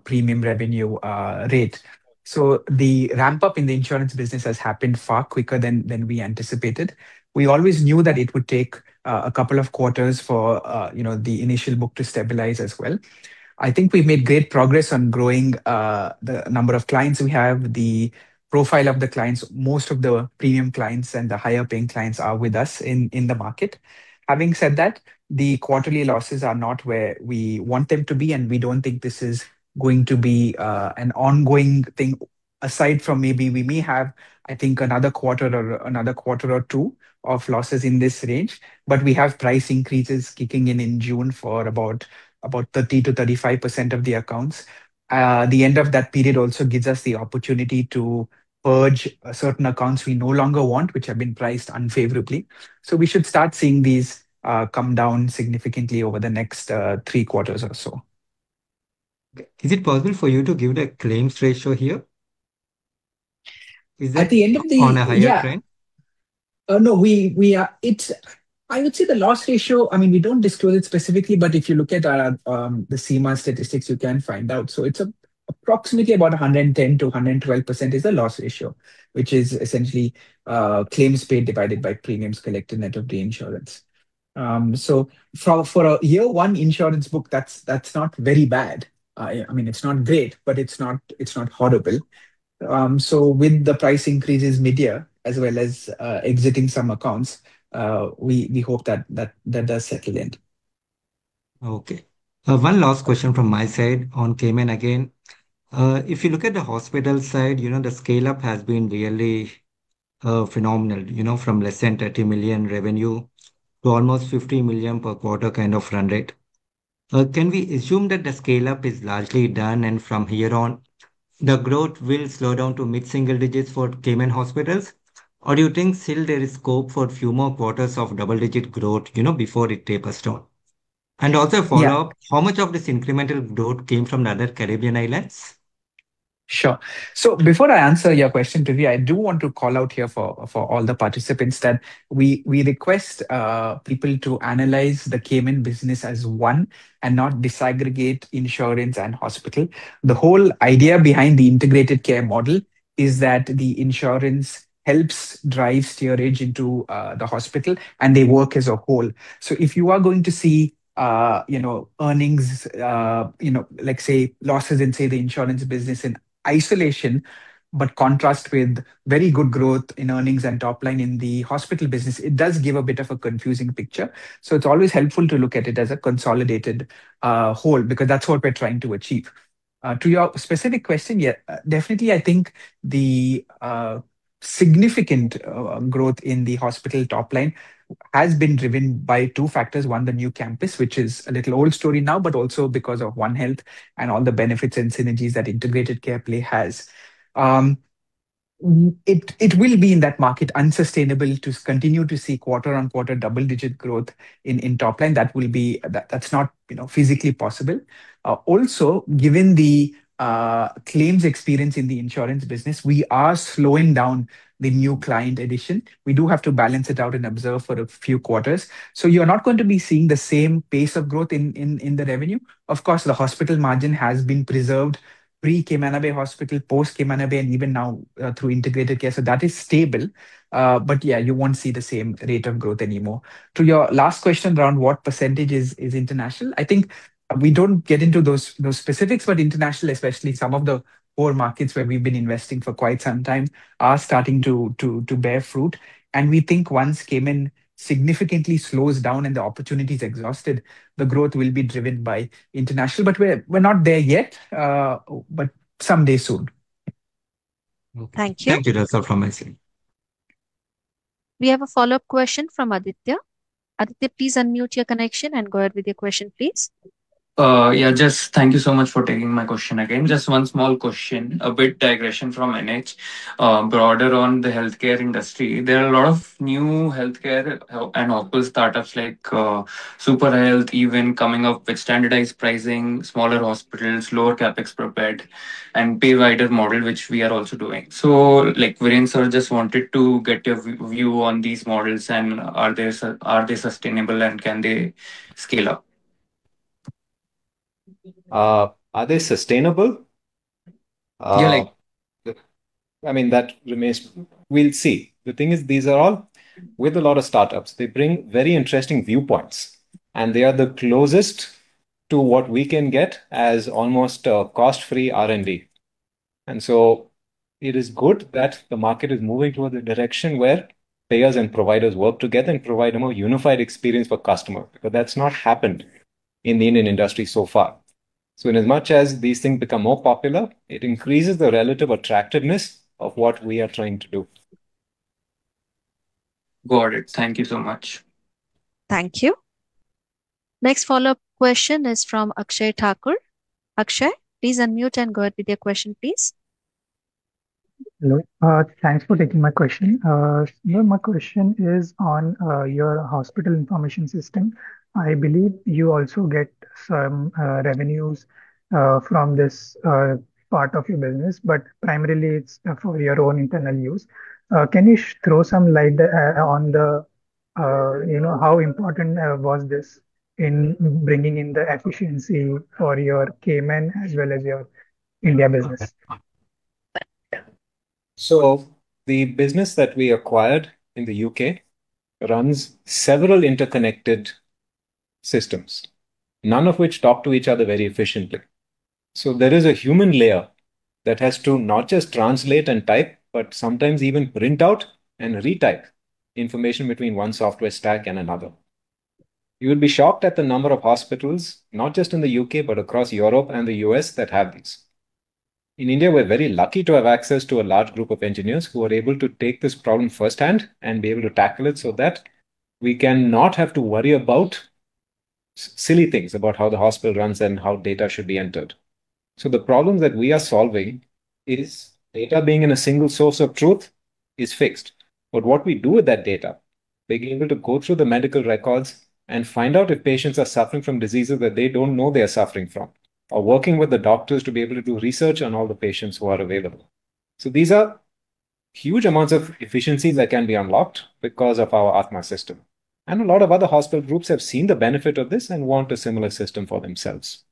I: premium revenue rate. The ramp-up in the insurance business has happened far quicker than we anticipated. We always knew that it would take a couple of quarters for the initial book to stabilize as well. I think we made great progress on growing the number of clients we have, the profile of the clients. Most of the premium clients and the higher-paying clients are with us in the market. Having said that, the quarterly losses are not where we want them to be, we don't think this is going to be an ongoing thing. Aside from maybe we may have, I think, another quarter or two of losses in this range. We have price increases kicking in in June for about 30%-35% of the accounts. The end of that period also gives us the opportunity to purge certain accounts we no longer want, which have been priced unfavorably. We should start seeing these come down significantly over the next three quarters or so.
F: Is it possible for you to give the claims ratio here?
I: At the end of the year-
F: Is that on a high trend?
I: No. I would say the loss ratio, we don't disclose it specifically, but if you look at the CIMA statistics, you can find out. It's approximately about 110%-112% is the loss ratio, which is essentially claims paid divided by premiums collected net of the insurance. For a year one insurance book, that's not very bad. It's not great, but it's not horrible. With the price increases mid-year as well as exiting some accounts, we hope that does settle in.
F: Okay. One last question from my side on Cayman again. If you look at the hospital side, the scale-up has been really phenomenal. From less than $30 million revenue to almost $50 million per quarter kind of run rate. Can we assume that the scale-up is largely done and from here on, the growth will slow down to mid-single digits for Cayman hospitals? Or do you think still there is scope for a few more quarters of double-digit growth before it tapers down?
I: Yeah
F: How much of this incremental growth came from the other Caribbean islands?
I: Sure. Before I answer your question, Prithviraj, I do want to call out here for all the participants that we request people to analyze the Cayman business as one and not disaggregate insurance and hospital. The whole idea behind the integrated care model is that the insurance helps drive steerage into the hospital, and they work as a whole. If you are going to see earnings, let's say losses in, say, the insurance business in isolation, but contrast with very good growth in earnings and top line in the hospital business, it does give a bit of a confusing picture. It's always helpful to look at it as a consolidated whole, because that's what we're trying to achieve. To your specific question, yeah, definitely, I think the significant growth in the hospital top line has been driven by two factors. The new campus, which is a little old story now, also because of One Health and all the benefits and synergies that integrated care play has. It will be, in that market, unsustainable to continue to see quarter-on-quarter double-digit growth in top line. That's not physically possible. Given the claims experience in the insurance business, we are slowing down the new client addition. We do have to balance it out and observe for a few quarters. You're not going to be seeing the same pace of growth in the revenue. Of course, the hospital margin has been preserved pre-Health City Cayman Islands, post-Health City Cayman Islands, and even now through integrated care. That is stable. Yeah, you won't see the same rate of growth anymore. To your last question around what percentage is international, I think we don't get into those specifics for the international, especially some of the core markets where we've been investing for quite some time are starting to bear fruit. We think once Cayman significantly slows down and the opportunity is exhausted, the growth will be driven by international. We're not there yet, but someday soon. Thank you.
A: Thank you.
F: That is all from my side.
A: We have a follow-up question from Aditya. Aditya, please unmute your connection and go ahead with your question, please.
M: Yeah, Jess, thank you so much for taking my question. Just one small question, a bit digression from NH, broader on the healthcare industry. There are a lot of new healthcare and opco startups like Superhealth, even coming up with standardized pricing, smaller hospitals, lower CapEx prepared, and payer-provider model, which we are also doing. Like, I just wanted to get your view on these models and are they sustainable and can they scale up?
B: Are they sustainable?
M: Yeah.
B: That remains. We'll see. The thing is, these are all with a lot of startups. They bring very interesting viewpoints, and they are the closest to what we can get as almost a cost-free R&D. It is good that the market is moving towards a direction where payers and providers work together and provide a more unified experience for customer. That's not happened in the Indian industry so far. As much as these things become more popular, it increases the relative attractiveness of what we are trying to do.
M: Got it. Thank you so much.
A: Thank you. Next follow-up question is from Akshay Thakur. Akshay, please unmute and go ahead with your question, please.
N: Hello. Thanks for taking my question. My question is on your hospital information system. I believe you also get some revenues from this part of your business, but primarily it's for your own internal use. Can you throw some light on how important was this in bringing in the efficiency for your Cayman as well as your India business?
L: The business that we acquired in the U.K. runs several interconnected systems, none of which talk to each other very efficiently. There is a human layer that has to not just translate and type, but sometimes even print out and retype information between one software stack and another. You'll be shocked at the number of hospitals, not just in the U.K., but across Europe and the U.S., that have these. In India, we're very lucky to have access to a large group of engineers who are able to take this problem firsthand and be able to tackle it so that we can not have to worry about silly things, about how the hospital runs and how data should be entered. The problem that we are solving is data being in a single source of truth is fixed. What we do with that data, being able to go through the medical records and find out if patients are suffering from diseases that they don't know they are suffering from, or working with the doctors to be able to do research on all the patients who are available. These are huge amounts of efficiencies that can be unlocked because of our Athma system. A lot of other hospital groups have seen the benefit of this and want a similar system for themselves.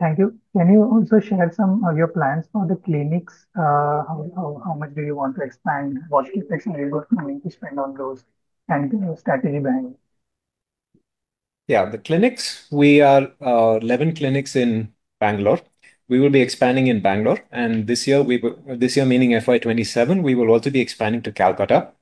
N: Thank you. Can you also share some of your plans for the clinics? How much do you want to expand? What is the special area of planning to spend on those kinds of strategic bets?
L: Yeah, the clinics, we are 11 clinics in Bangalore. We will be expanding in Bangalore. This year, meaning FY 2027, we will also be expanding to Kolkata.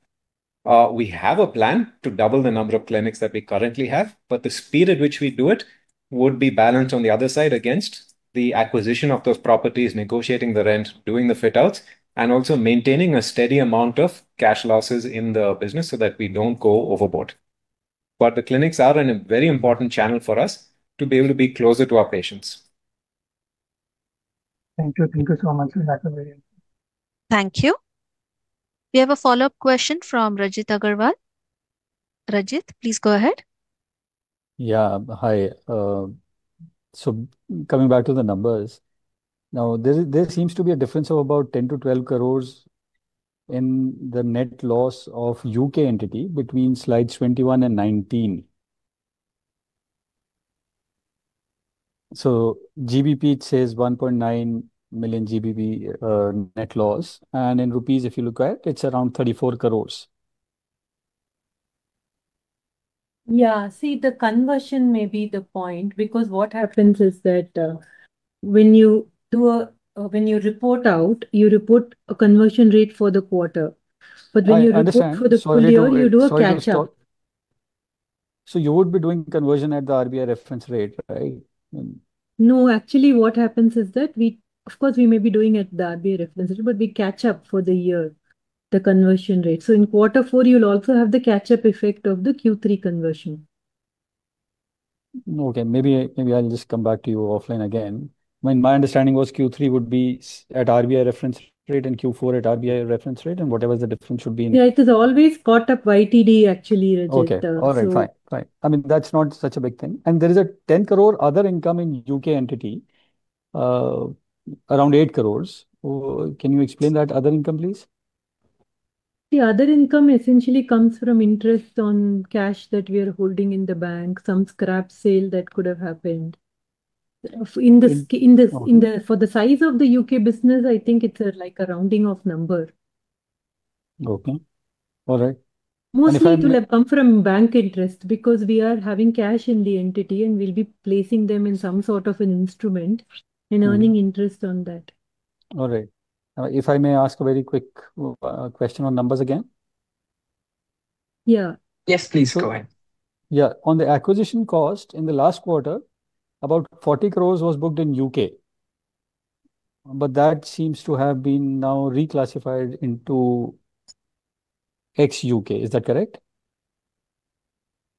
L: We have a plan to double the number of clinics that we currently have, but the speed at which we do it would be balanced on the other side against the acquisition of those properties, negotiating the rent, doing the fit-outs, and also maintaining a steady amount of cash losses in the business so that we don't go overboard. The clinics are a very important channel for us to be able to be closer to our patients.
N: Thank you. Thank you so much. That's very helpful.
A: Thank you. We have a follow-up question from Rajat Agrawal. Rajat, please go ahead.
O: Yeah. Hi. Coming back to the numbers. There seems to be a difference of about 10-12 crores in the net loss of U.K. entity between slides 21 and 19. GBP 1.9 million net loss. In INR, if you look at, it's around 34 crores.
D: Yeah. See, the conversion may be the point, because what happens is that when you report out, you report a conversion rate for the quarter.
O: I understand. Sorry to interrupt.
D: You do a catch-up.
O: You would be doing conversion at the RBI reference rate, right?
D: No, actually, what happens is that, of course, we may be doing it at the RBI reference rate, but we catch up for the year, the conversion rate. In quarter four, you'll also have the catch-up effect of the Q3 conversion.
O: Okay. Maybe I will just come back to you off and again. My understanding was Q3 would be at RBI reference rate and Q4 at RBI reference rate, and whatever the difference would be.
D: Yeah, because always caught up YTD, actually, Rajat.
O: Okay. All right, fine. That's not such a big thing. There is a 10 crore other income in U.K. entity, around 8 crore. Can you explain that other income, please?
D: The other income essentially comes from interest on cash that we are holding in the bank, some scrap sale that could have happened. For the size of the U.K. business, I think it's like a rounding-off number.
O: Okay. All right.
D: Mostly it will come from bank interest because we are having cash in the entity, and we'll be placing them in some sort of an instrument and earning interest on that.
O: All right. If I may ask a very quick question on numbers again?
D: Yeah.
B: Yes, please go ahead.
O: Yeah. On the acquisition cost in the last quarter, about 40 crore was booked in the U.K., but that seems to have been now reclassified into ex-U.K. Is that correct?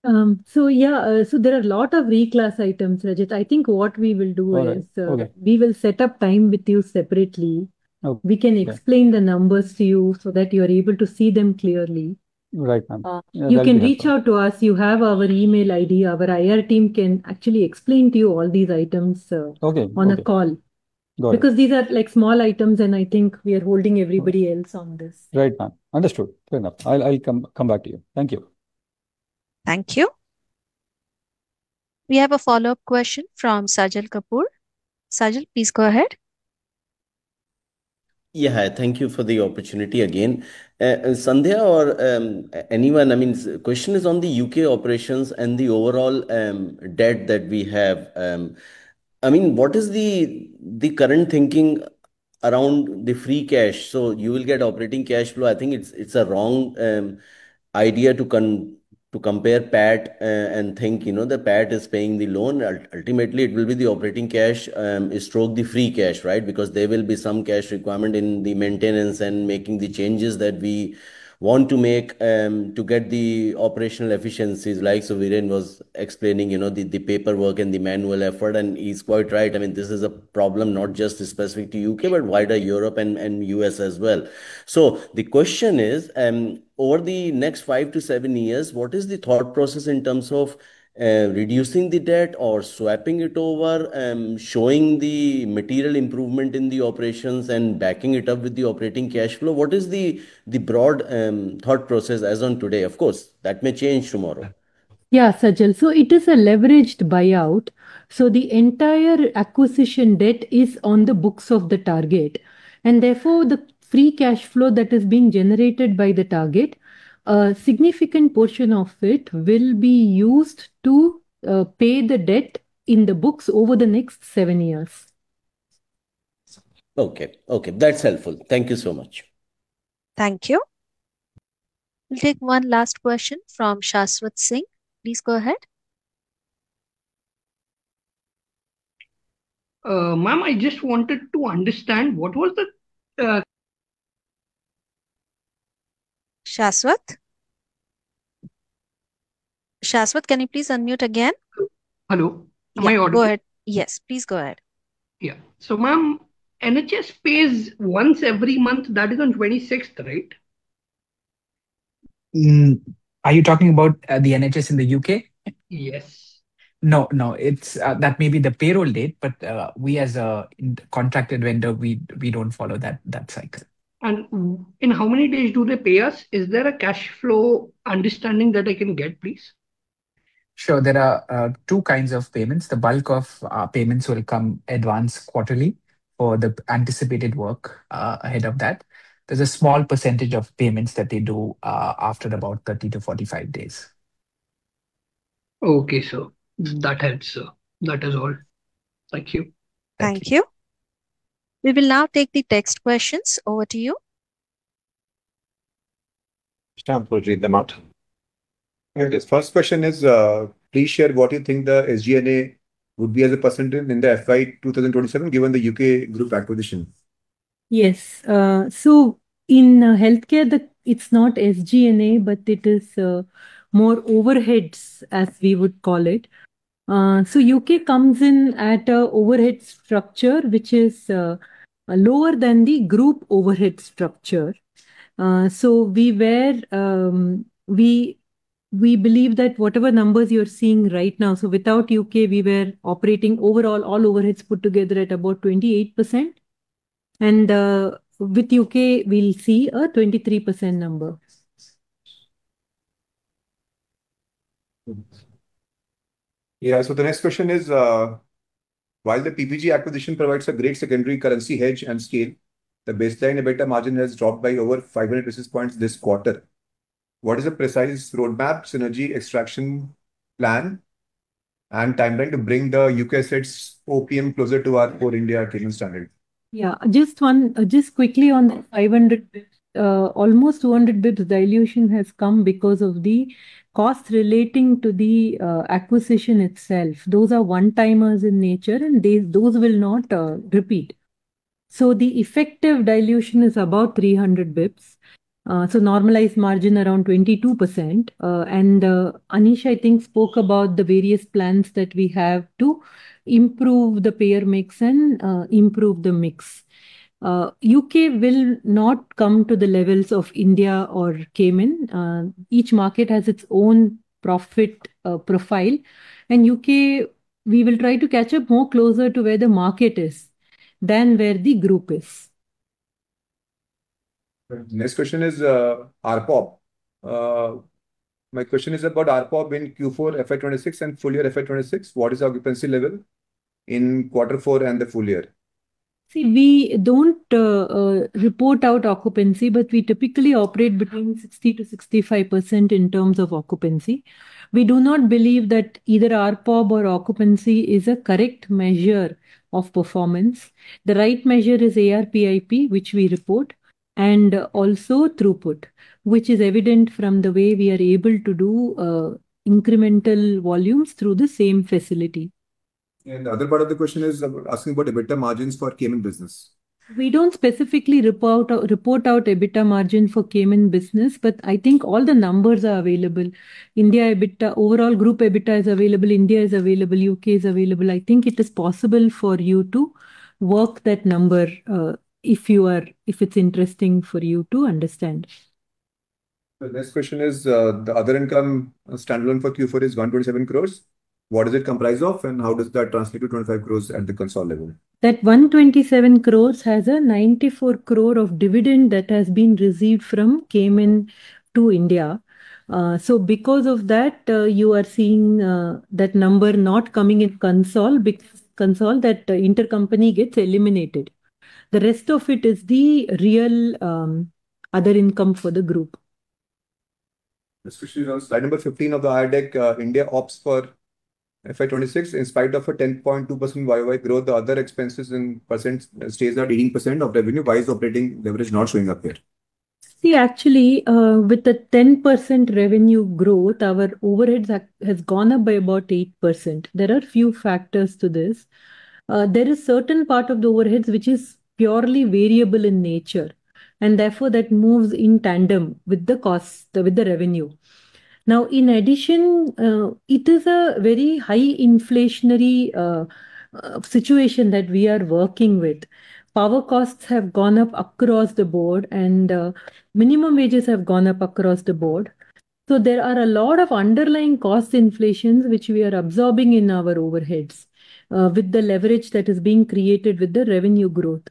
D: Yeah. There are a lot of reclass items, Rajat. I think what we will do is.
O: All right. Okay.
D: We will set up time with you separately.
O: Okay.
D: We can explain the numbers to you so that you are able to see them clearly.
O: Right, ma'am.
D: You can reach out to us. You have our email ID. Our IR team can actually explain to you all these items.
O: Okay, got it.
D: on a call.
O: Got it.
D: These are small items, and I think we are holding everybody else on this.
O: Right, ma'am. Understood. Fair enough. I'll come back to you. Thank you.
A: Thank you. We have a follow-up question from Sajal Kapoor. Sajal, please go ahead.
C: Thank you for the opportunity again. Sandhya or anyone, question is on the U.K. operations and the overall debt that we have. What is the current thinking around the free cash? You will get operating cash flow. I think it's a wrong idea to compare PAT and think the PAT is paying the loan. Ultimately, it will be the operating cash stroke the free cash, right? There will be some cash requirement in the maintenance and making the changes that we want to make to get the operational efficiencies. Like Supriyo was explaining, the paperwork and the manual effort, and he's quite right. This is a problem not just specific to U.K., but wider Europe and U.S. as well. The question is, over the next five to seven years, what is the thought process in terms of reducing the debt or swapping it over and showing the material improvement in the operations and backing it up with the operating cash flow? What is the broad thought process as on today? Of course, that may change tomorrow.
D: Yeah, Sajal. It is a leveraged buyout. The entire acquisition debt is on the books of the target, and therefore the free cash flow that is being generated by the target, a significant portion of it will be used to pay the debt in the books over the next seven years.
C: Okay. That's helpful. Thank you so much.
A: Thank you. We will take one last question from Shashwat Singh. Please go ahead.
H: Ma'am, I just wanted to understand what was the-
A: Shashwat? Shashwat, can you please unmute again?
H: Hello. Am I audible?
A: Yes, please go ahead.
H: Yeah. Ma'am, NHS pays once every month. That is on 26th, right?
I: Are you talking about the NHS in the U.K.?
H: Yes.
I: No, that may be the payroll date, but we as a contracted vendor, we don't follow that cycle.
H: In how many days do they pay us? Is there a cash flow understanding that I can get, please?
I: Sure. There are two kinds of payments. The bulk of payments will come advanced quarterly for the anticipated work ahead of that. There's a small percentage of payments that they do after about 30-45 days.
H: Okay, sure. That helps. That is all. Thank you.
A: Thank you. We will now take the text questions. Over to you.
P: Time to read them out. First question is, please share what you think the SG&A would be as a percent in the FY 2027, given the U.K. group acquisition.
D: Yes. In healthcare, it's not SG&A, but it is more overheads, as we would call it. U.K. comes in at a overhead structure which is lower than the group overhead structure. We believe that whatever numbers you're seeing right now, without U.K., we were operating overall, all overheads put together at about 28%, and with U.K., we'll see a 23% number.
P: Yeah. The next question is, while the PPG acquisition provides a great secondary currency hedge and scale, the baseline EBITDA margin has dropped by over 500 basis points this quarter. What is the precise roadmap synergy extraction plan and timeline to bring the U.K. sets OPM closer to our core India claims standard?
D: Yeah. Just quickly on 500, almost 200 basis points valuation has come because of the cost relating to the acquisition itself. Those are one-timers in nature, and those will not repeat. The effective valuation is about 300 basis points. Normalized margin around 22%. Anesh Shetty, I think, spoke about the various plans that we have to improve the payer mix and improve the mix. U.K. will not come to the levels of India or Cayman. Each market has its own profit profile. In U.K., we will try to catch up more closer to where the market is than where the group is.
P: Next question is ARPOB. My question is about ARPOB in Q4 FY 2026 and full year FY 2026. What is our occupancy level in quarter four and the full year?
D: We don't report out occupancy. We typically operate between 60% to 65% in terms of occupancy. We do not believe that either ARPOB or occupancy is a correct measure of performance. The right measure is ARPIP, which we report, and also throughput, which is evident from the way we are able to do incremental volumes through the same facility.
P: Other part of the question is asking about EBITDA margins for Cayman business.
D: We don't specifically report out EBITDA margin for Cayman business, but I think all the numbers are available. India EBITDA, overall group EBITDA is available. India is available, U.K. is available. I think it is possible for you to work that number if it's interesting for you to understand.
P: The next question is, the other income standalone for Q4 is 127 crores. What does it comprise of and how does that translate to 25 crores at the consolidated level?
D: That 127 crore has an 94 crore of dividend that has been received from Cayman to India. Because of that, you are seeing that number not coming in consol., because consol., that intercompany gets eliminated. The rest of it is the real other income for the group.
P: Especially on slide number 15 of the IR deck, India ops for FY 2026, in spite of a 10.2% Y-Y growth, the other expenses in % stays at 18% of revenue. Why is operating leverage not showing up here?
D: Actually, with a 10% revenue growth, our overheads have gone up by about 8%. There are a few factors to this. There is a certain part of the overheads which is purely variable in nature, and therefore that moves in tandem with the revenue. In addition, it is a very high inflationary situation that we are working with. Power costs have gone up across the board, and minimum wages have gone up across the board. There are a lot of underlying cost inflations which we are absorbing in our overheads with the leverage that is being created with the revenue growth.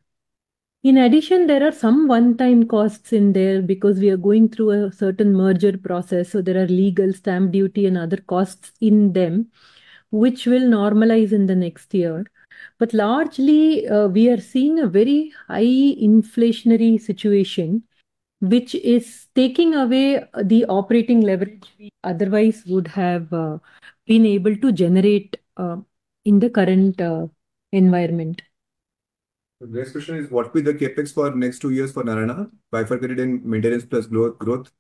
D: In addition, there are some one-time costs in there because we are going through a certain merger process. There are legal stamp duty and other costs in them which will normalize in the next year. Largely, we are seeing a very high inflationary situation which is taking away the operating leverage we otherwise would have been able to generate in the current environment.
P: The next question is, what will be the CapEx for next two years for Narayana, bifurcated in materials plus lower growth?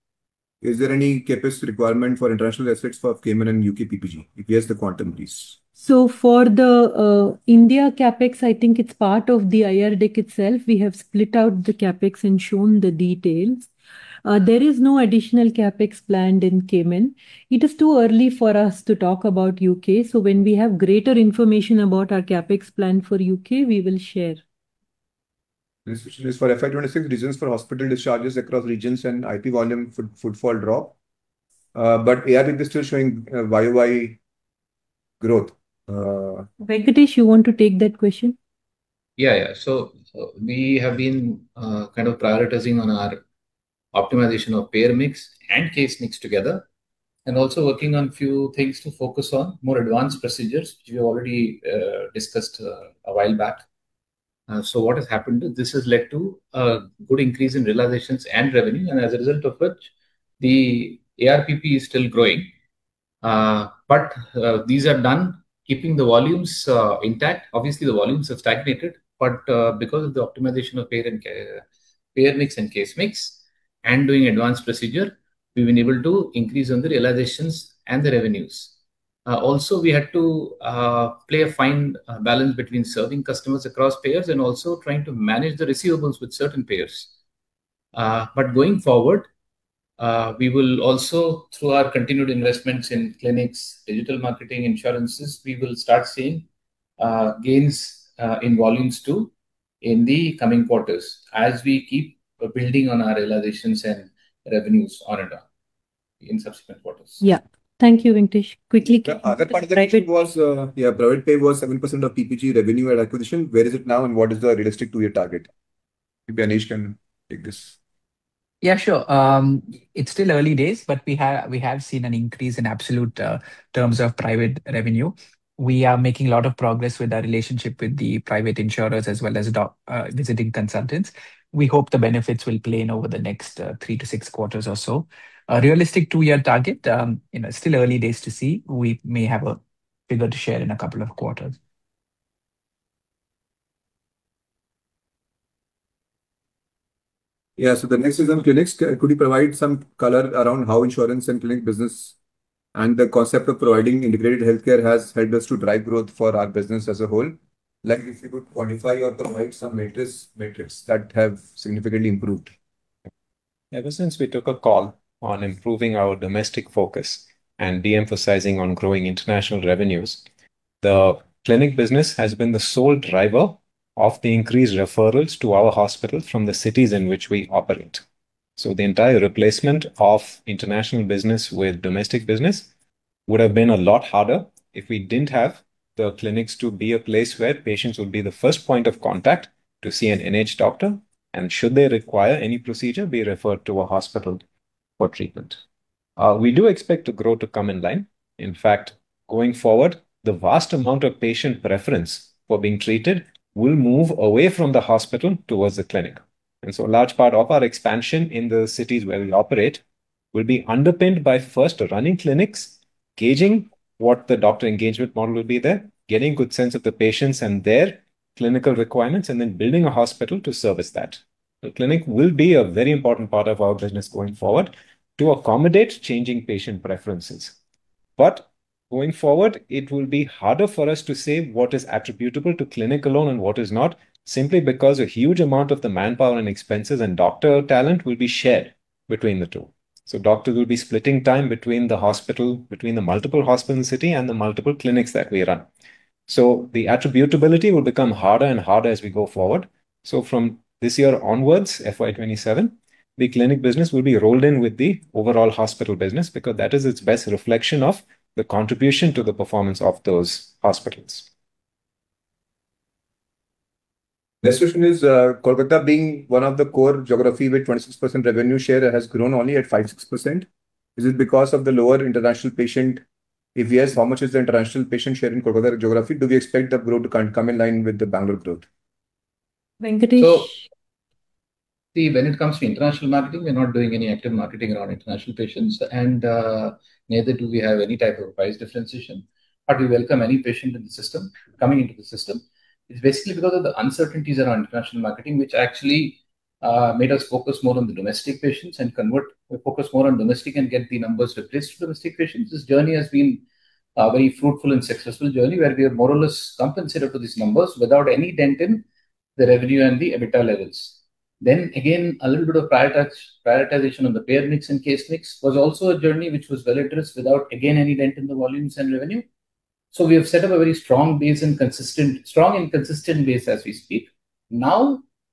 P: Is there any CapEx requirement for international assets for Cayman and U.K. PPG? If yes, the quantum please.
D: For the India CapEx, I think it's part of the IR deck itself. We have split out the CapEx and shown the details. There is no additional CapEx planned in Cayman. It is too early for us to talk about U.K., when we have greater information about our CapEx plan for U.K., we will share.
P: This for FY 2026, reasons for hospital discharges across regions and IP volume footfall drop. ARPP is still showing year-over-year growth.
D: Venkatesh, you want to take that question?
L: Yeah. We have been prioritizing on our optimization of payer mix and case mix together and also working on few things to focus on more advanced procedures we already discussed a while back. What has happened is this has led to a good increase in realizations and revenue, and as a result of which the ARPP is still growing. These are done keeping the volumes intact. Obviously, the volumes have stagnated, but because of the optimization of payer mix and case mix and doing advanced procedure, we've been able to increase on the realizations and the revenues. Also, we have to play a fine balance between serving customers across payers and also trying to manage the receivables with certain payers. Going forward, we will also, through our continued investments in clinics, digital marketing, insurances, we will start seeing gains in volumes too in the coming quarters as we keep building on our realizations and revenues on a in subsequent quarters.
D: Yeah. Thank you, Venkatesh.
P: At the end of FY 2023, private pay was 7% of PPG revenue at acquisition. Where is it now, and what is the realistic two-year target? Maybe Anesh can take this.
I: Yeah, sure. It's still early days, but we have seen an increase in absolute terms of private revenue. We are making a lot of progress with our relationship with the private insurers as well as visiting consultants. We hope the benefits will play in over the next three to six quarters or so. A realistic two-year target, still early days to see. We may have a figure to share in a couple of quarters.
P: The next is on clinics. Could you provide some color around how insurance and clinic business and the concept of providing integrated healthcare has helped us to drive growth for our business as a whole? If you could quantify or provide some metrics that have significantly improved.
B: Ever since we took a call on improving our domestic focus and de-emphasizing on growing international revenues, the clinic business has been the sole driver of the increased referrals to our hospitals from the cities in which we operate. The entire replacement of international business with domestic business would have been a lot harder if we didn't have the clinics to be a place where patients would be the first point of contact to see an NH doctor, and should they require any procedure, be referred to a hospital for treatment. We do expect the growth to come in line. In fact, going forward, the vast amount of patient preference for being treated will move away from the hospital towards the clinic. A large part of our expansion in the cities where we operate will be underpinned by first running clinics, gauging what the doctor engagement model will be there, getting good sense of the patients. Clinical requirements and then building a hospital to service that. The clinic will be a very important part of our business going forward to accommodate changing patient preferences. Going forward, it will be harder for us to say what is attributable to clinic alone and what is not, simply because a huge amount of the manpower and expenses and doctor talent will be shared between the two. Doctors will be splitting time between the multiple hospital city and the multiple clinics that we run. The attributability will become harder and harder as we go forward. From this year onwards, FY 2027, the clinic business will be rolled in with the overall hospital business because that is its best reflection of the contribution to the performance of those hospitals.
P: The next question is Kolkata being one of the core geography with 26% revenue share has grown only at 5%-6%. Is it because of the lower international patient? If yes, how much is the international patient share in particular geography? Do we expect the growth to come in line with the Bangalore growth?
D: Venkatesh.
L: When it comes to international marketing, we're not doing any active marketing around international patients, and neither do we have any type of price differentiation, but we welcome any patient in the system coming into the system. Basically because of the uncertainties around international marketing, which actually made us focus more on domestic patients and focus more on domestic and get the numbers with just domestic patients. This journey has been a very fruitful and successful journey where we have more or less compensated for these numbers without any dent in the revenue and the EBITDA levels. Again, a little bit of prioritization on the payer mix and case mix was also a journey which was well-addressed without again any dent in the volumes and revenue. We have set up a very strong base and strong and consistent base as we speak.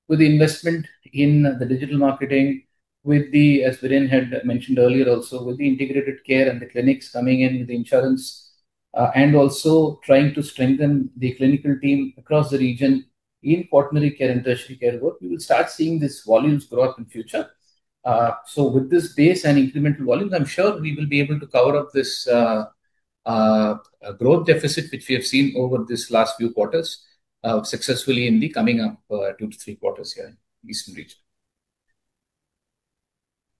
L: With the investment in the digital marketing, with the, as Viren Shetty had mentioned earlier also, with the integrated care and the clinics coming in with the insurance and also trying to strengthen the clinical team across the region in quaternary care and tertiary care growth, we will start seeing these volumes grow up in future. With this base and incremental volumes, I'm sure we will be able to cover up this growth deficit which we have seen over these last few quarters successfully in the coming two to three quarters here in this region.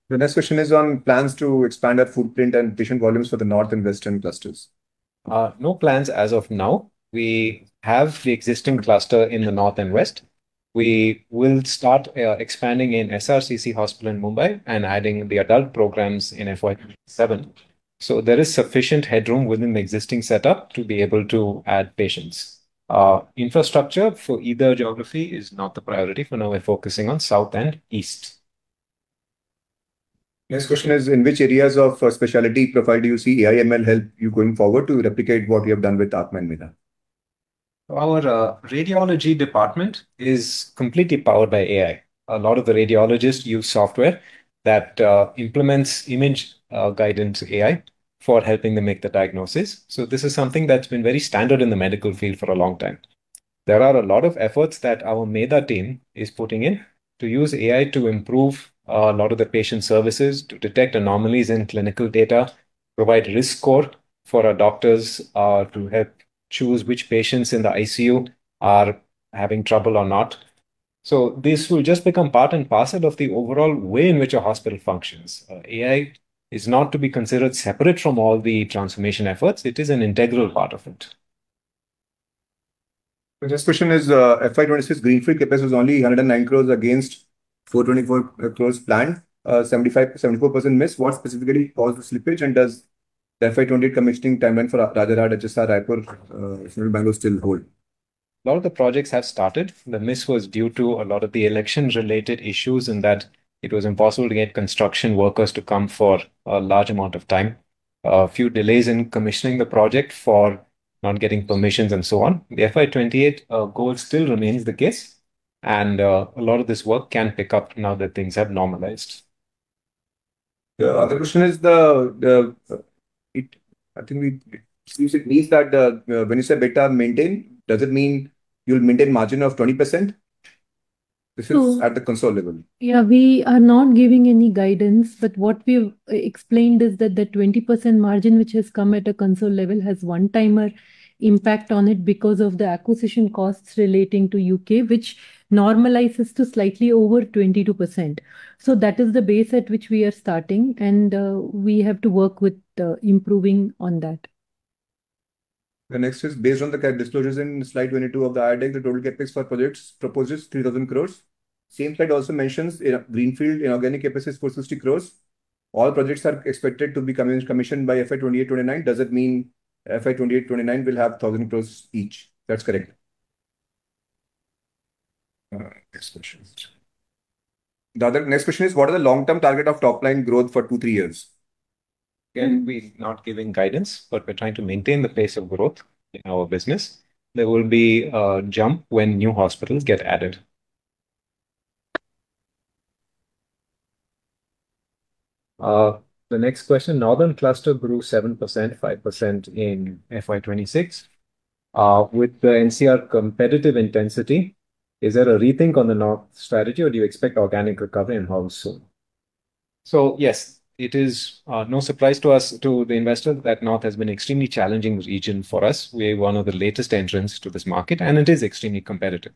L: The next question is on plans to expand our footprint and patient volumes for the North and Western clusters. No plans as of now. We have the existing cluster in the north and west. We will start expanding in SRCC Children's Hospital in Mumbai and adding the adult programs in FY 2027.
B: There is sufficient headroom within the existing setup to be able to add patients. Infrastructure for either geography is not the priority for now. We're focusing on South and East. Next question is in which areas of specialty profile do you see AI/ML help you going forward to replicate what you have done with Athma and Mina? Our radiology department is completely powered by AI. A lot of the radiologists use software that implements image guidance AI for helping them make the diagnosis. This is something that's been very standard in the medical field for a long time. There are a lot of efforts that our MedAI team is putting in to use AI to improve a lot of the patient services, to detect anomalies in clinical data, provide risk score for our doctors to help choose which patients in the ICU are having trouble or not. This will just become part and parcel of the overall way in which a hospital functions. AI is not to be considered separate from all the transformation efforts. It is an integral part of it. The next question is FY 2026 greenfield CapEx was only 109 crores against 424 crores planned, 74% miss. What specifically caused the slippage, and does the FY 2028 commissioning timeline for Rajajinagar, HR, Rakhial, and Tirupur still hold? A lot of the projects had started. The miss was due to a lot of the election-related issues and that it was impossible to get construction workers to come for a large amount of time. A few delays in commissioning the project for not getting permissions and so on. The FY 2028 goal still remains the case, and a lot of this work can pick up now that things have normalized.
P: The other question is, I think it means that when you say data maintain, does it mean you'll maintain margin of 20%? This is at the console level.
D: Yeah, we are not giving any guidance, but what we've explained is that the 20% margin which has come at a consolidated level has one-timer impact on it because of the acquisition costs relating to U.K., which normalizes to slightly over 22%. That is the base at which we are starting, and we have to work with improving on that.
P: The next is based on the CapEx disclosures in slide 22 of the IR deck, the total CapEx for projects proposed is 3,000 crores. Same slide also mentions greenfield inorganic CapEx is 460 crores. All projects are expected to be commissioned by FY 2028, FY 2029. Does it mean FY 2028, FY 2029 will have 1,000 crores each? That's correct. All right. Next question. The next question is what is the long-term target of top-line growth for two to three years?
B: We're not giving guidance, but we're trying to maintain the pace of growth in our business. There will be a jump when new hospitals get added.
P: The next question, Northern cluster grew 7%, 5% in FY 2026. With the NCR competitive intensity, is there a rethink on the North strategy or do you expect organic recovery and how soon?
B: Yes, it is no surprise to us, to the investor, that North has been extremely challenging region for us. We are one of the latest entrants to this market, and it is extremely competitive.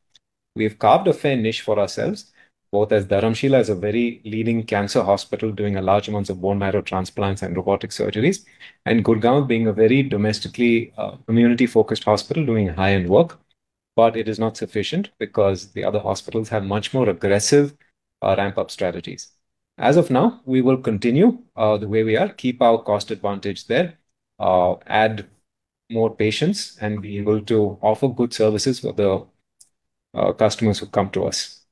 B: We have carved a fair niche for ourselves, both as Dharamshila is a very leading cancer hospital doing large amounts of bone marrow transplants and robotic surgeries, and Gurgaon being a very domestically community-focused hospital doing high-end work. It is not sufficient because the other hospitals have much more aggressive ramp-up strategies. As of now, we will continue the way we are, keep our cost advantage there, add more patients, and be able to offer good services for the customers who come to us.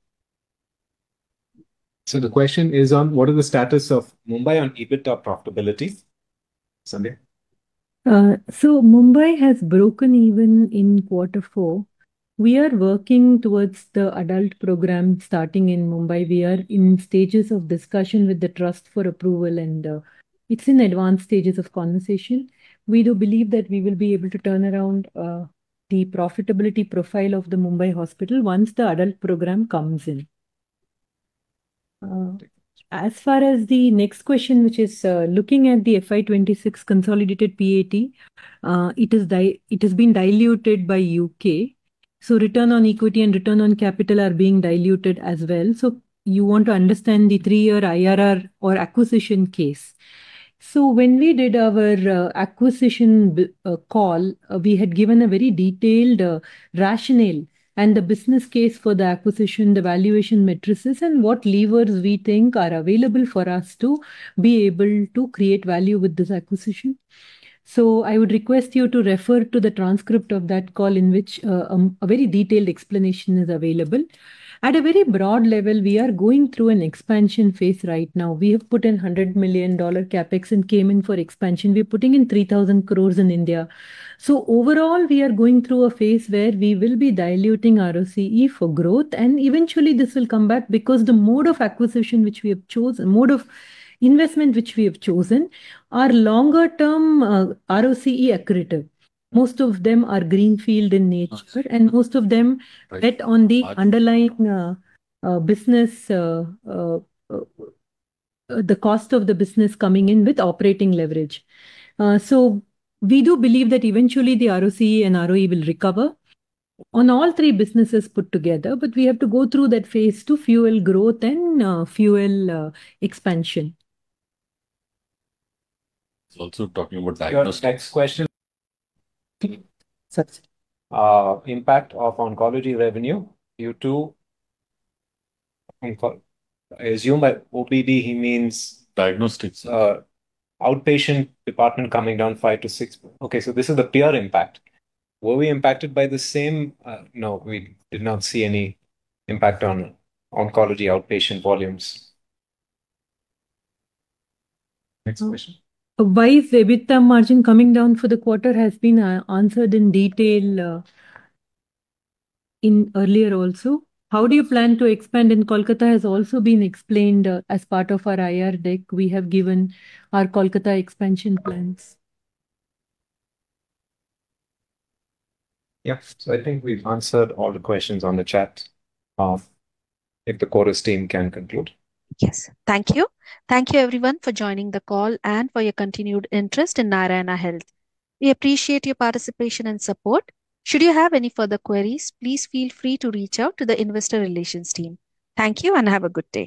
P: The question is on what are the status of Mumbai on EBITDA profitability, Sandhya?
D: Mumbai has broken even in quarter four. We are working towards the adult program starting in Mumbai. We are in stages of discussion with the trust for approval, and it's in advanced stages of conversation. We do believe that we will be able to turn around the profitability profile of the Mumbai hospital once the adult program comes in. As far as the next question, which is looking at the FY26 consolidated PAT, it has been diluted by U.K., return on equity and return on capital are being diluted as well. You want to understand the 3-year IRR or acquisition case. When we did our acquisition call, we had given a very detailed rationale and the business case for the acquisition, the valuation matrices, and what levers we think are available for us to be able to create value with this acquisition. I would request you to refer to the transcript of that call in which a very detailed explanation is available. At a very broad level, we are going through an expansion phase right now. We have put in INR 100 million CapEx and came in for expansion. We are putting in 3,000 crore in India. Overall, we are going through a phase where we will be diluting ROCE for growth, and eventually, this will come back because the mode of acquisition which we have chosen, mode of investment which we have chosen, are longer-term ROCE accretive. Most of them are greenfield in nature, and most of them bet on the underlying business, the cost of the business coming in with operating leverage. We do believe that eventually the ROCE and ROE will recover on all three businesses put together. We have to go through that phase to fuel growth and fuel expansion.
P: He's also talking about diagnostics. Your next question, impact of oncology revenue due to-- I assume by OPD, he means-
B: Diagnostics outpatient department coming down 5%-6%. This is a peer impact. Were we impacted by the same? No, we did not see any impact on oncology outpatient volumes. Next question.
D: Why EBITDA margin coming down for the quarter has been answered in detail earlier also. How do you plan to expand in Kolkata has also been explained as part of our IR deck. We have given our Kolkata expansion plans.
B: Yeah. I think we've answered all the questions on the chat. If the Chorus team can conclude.
A: Yes. Thank you. Thank you everyone for joining the call and for your continued interest in Narayana Health. We appreciate your participation and support. Should you have any further queries, please feel free to reach out to the investor relations team. Thank you and have a good day.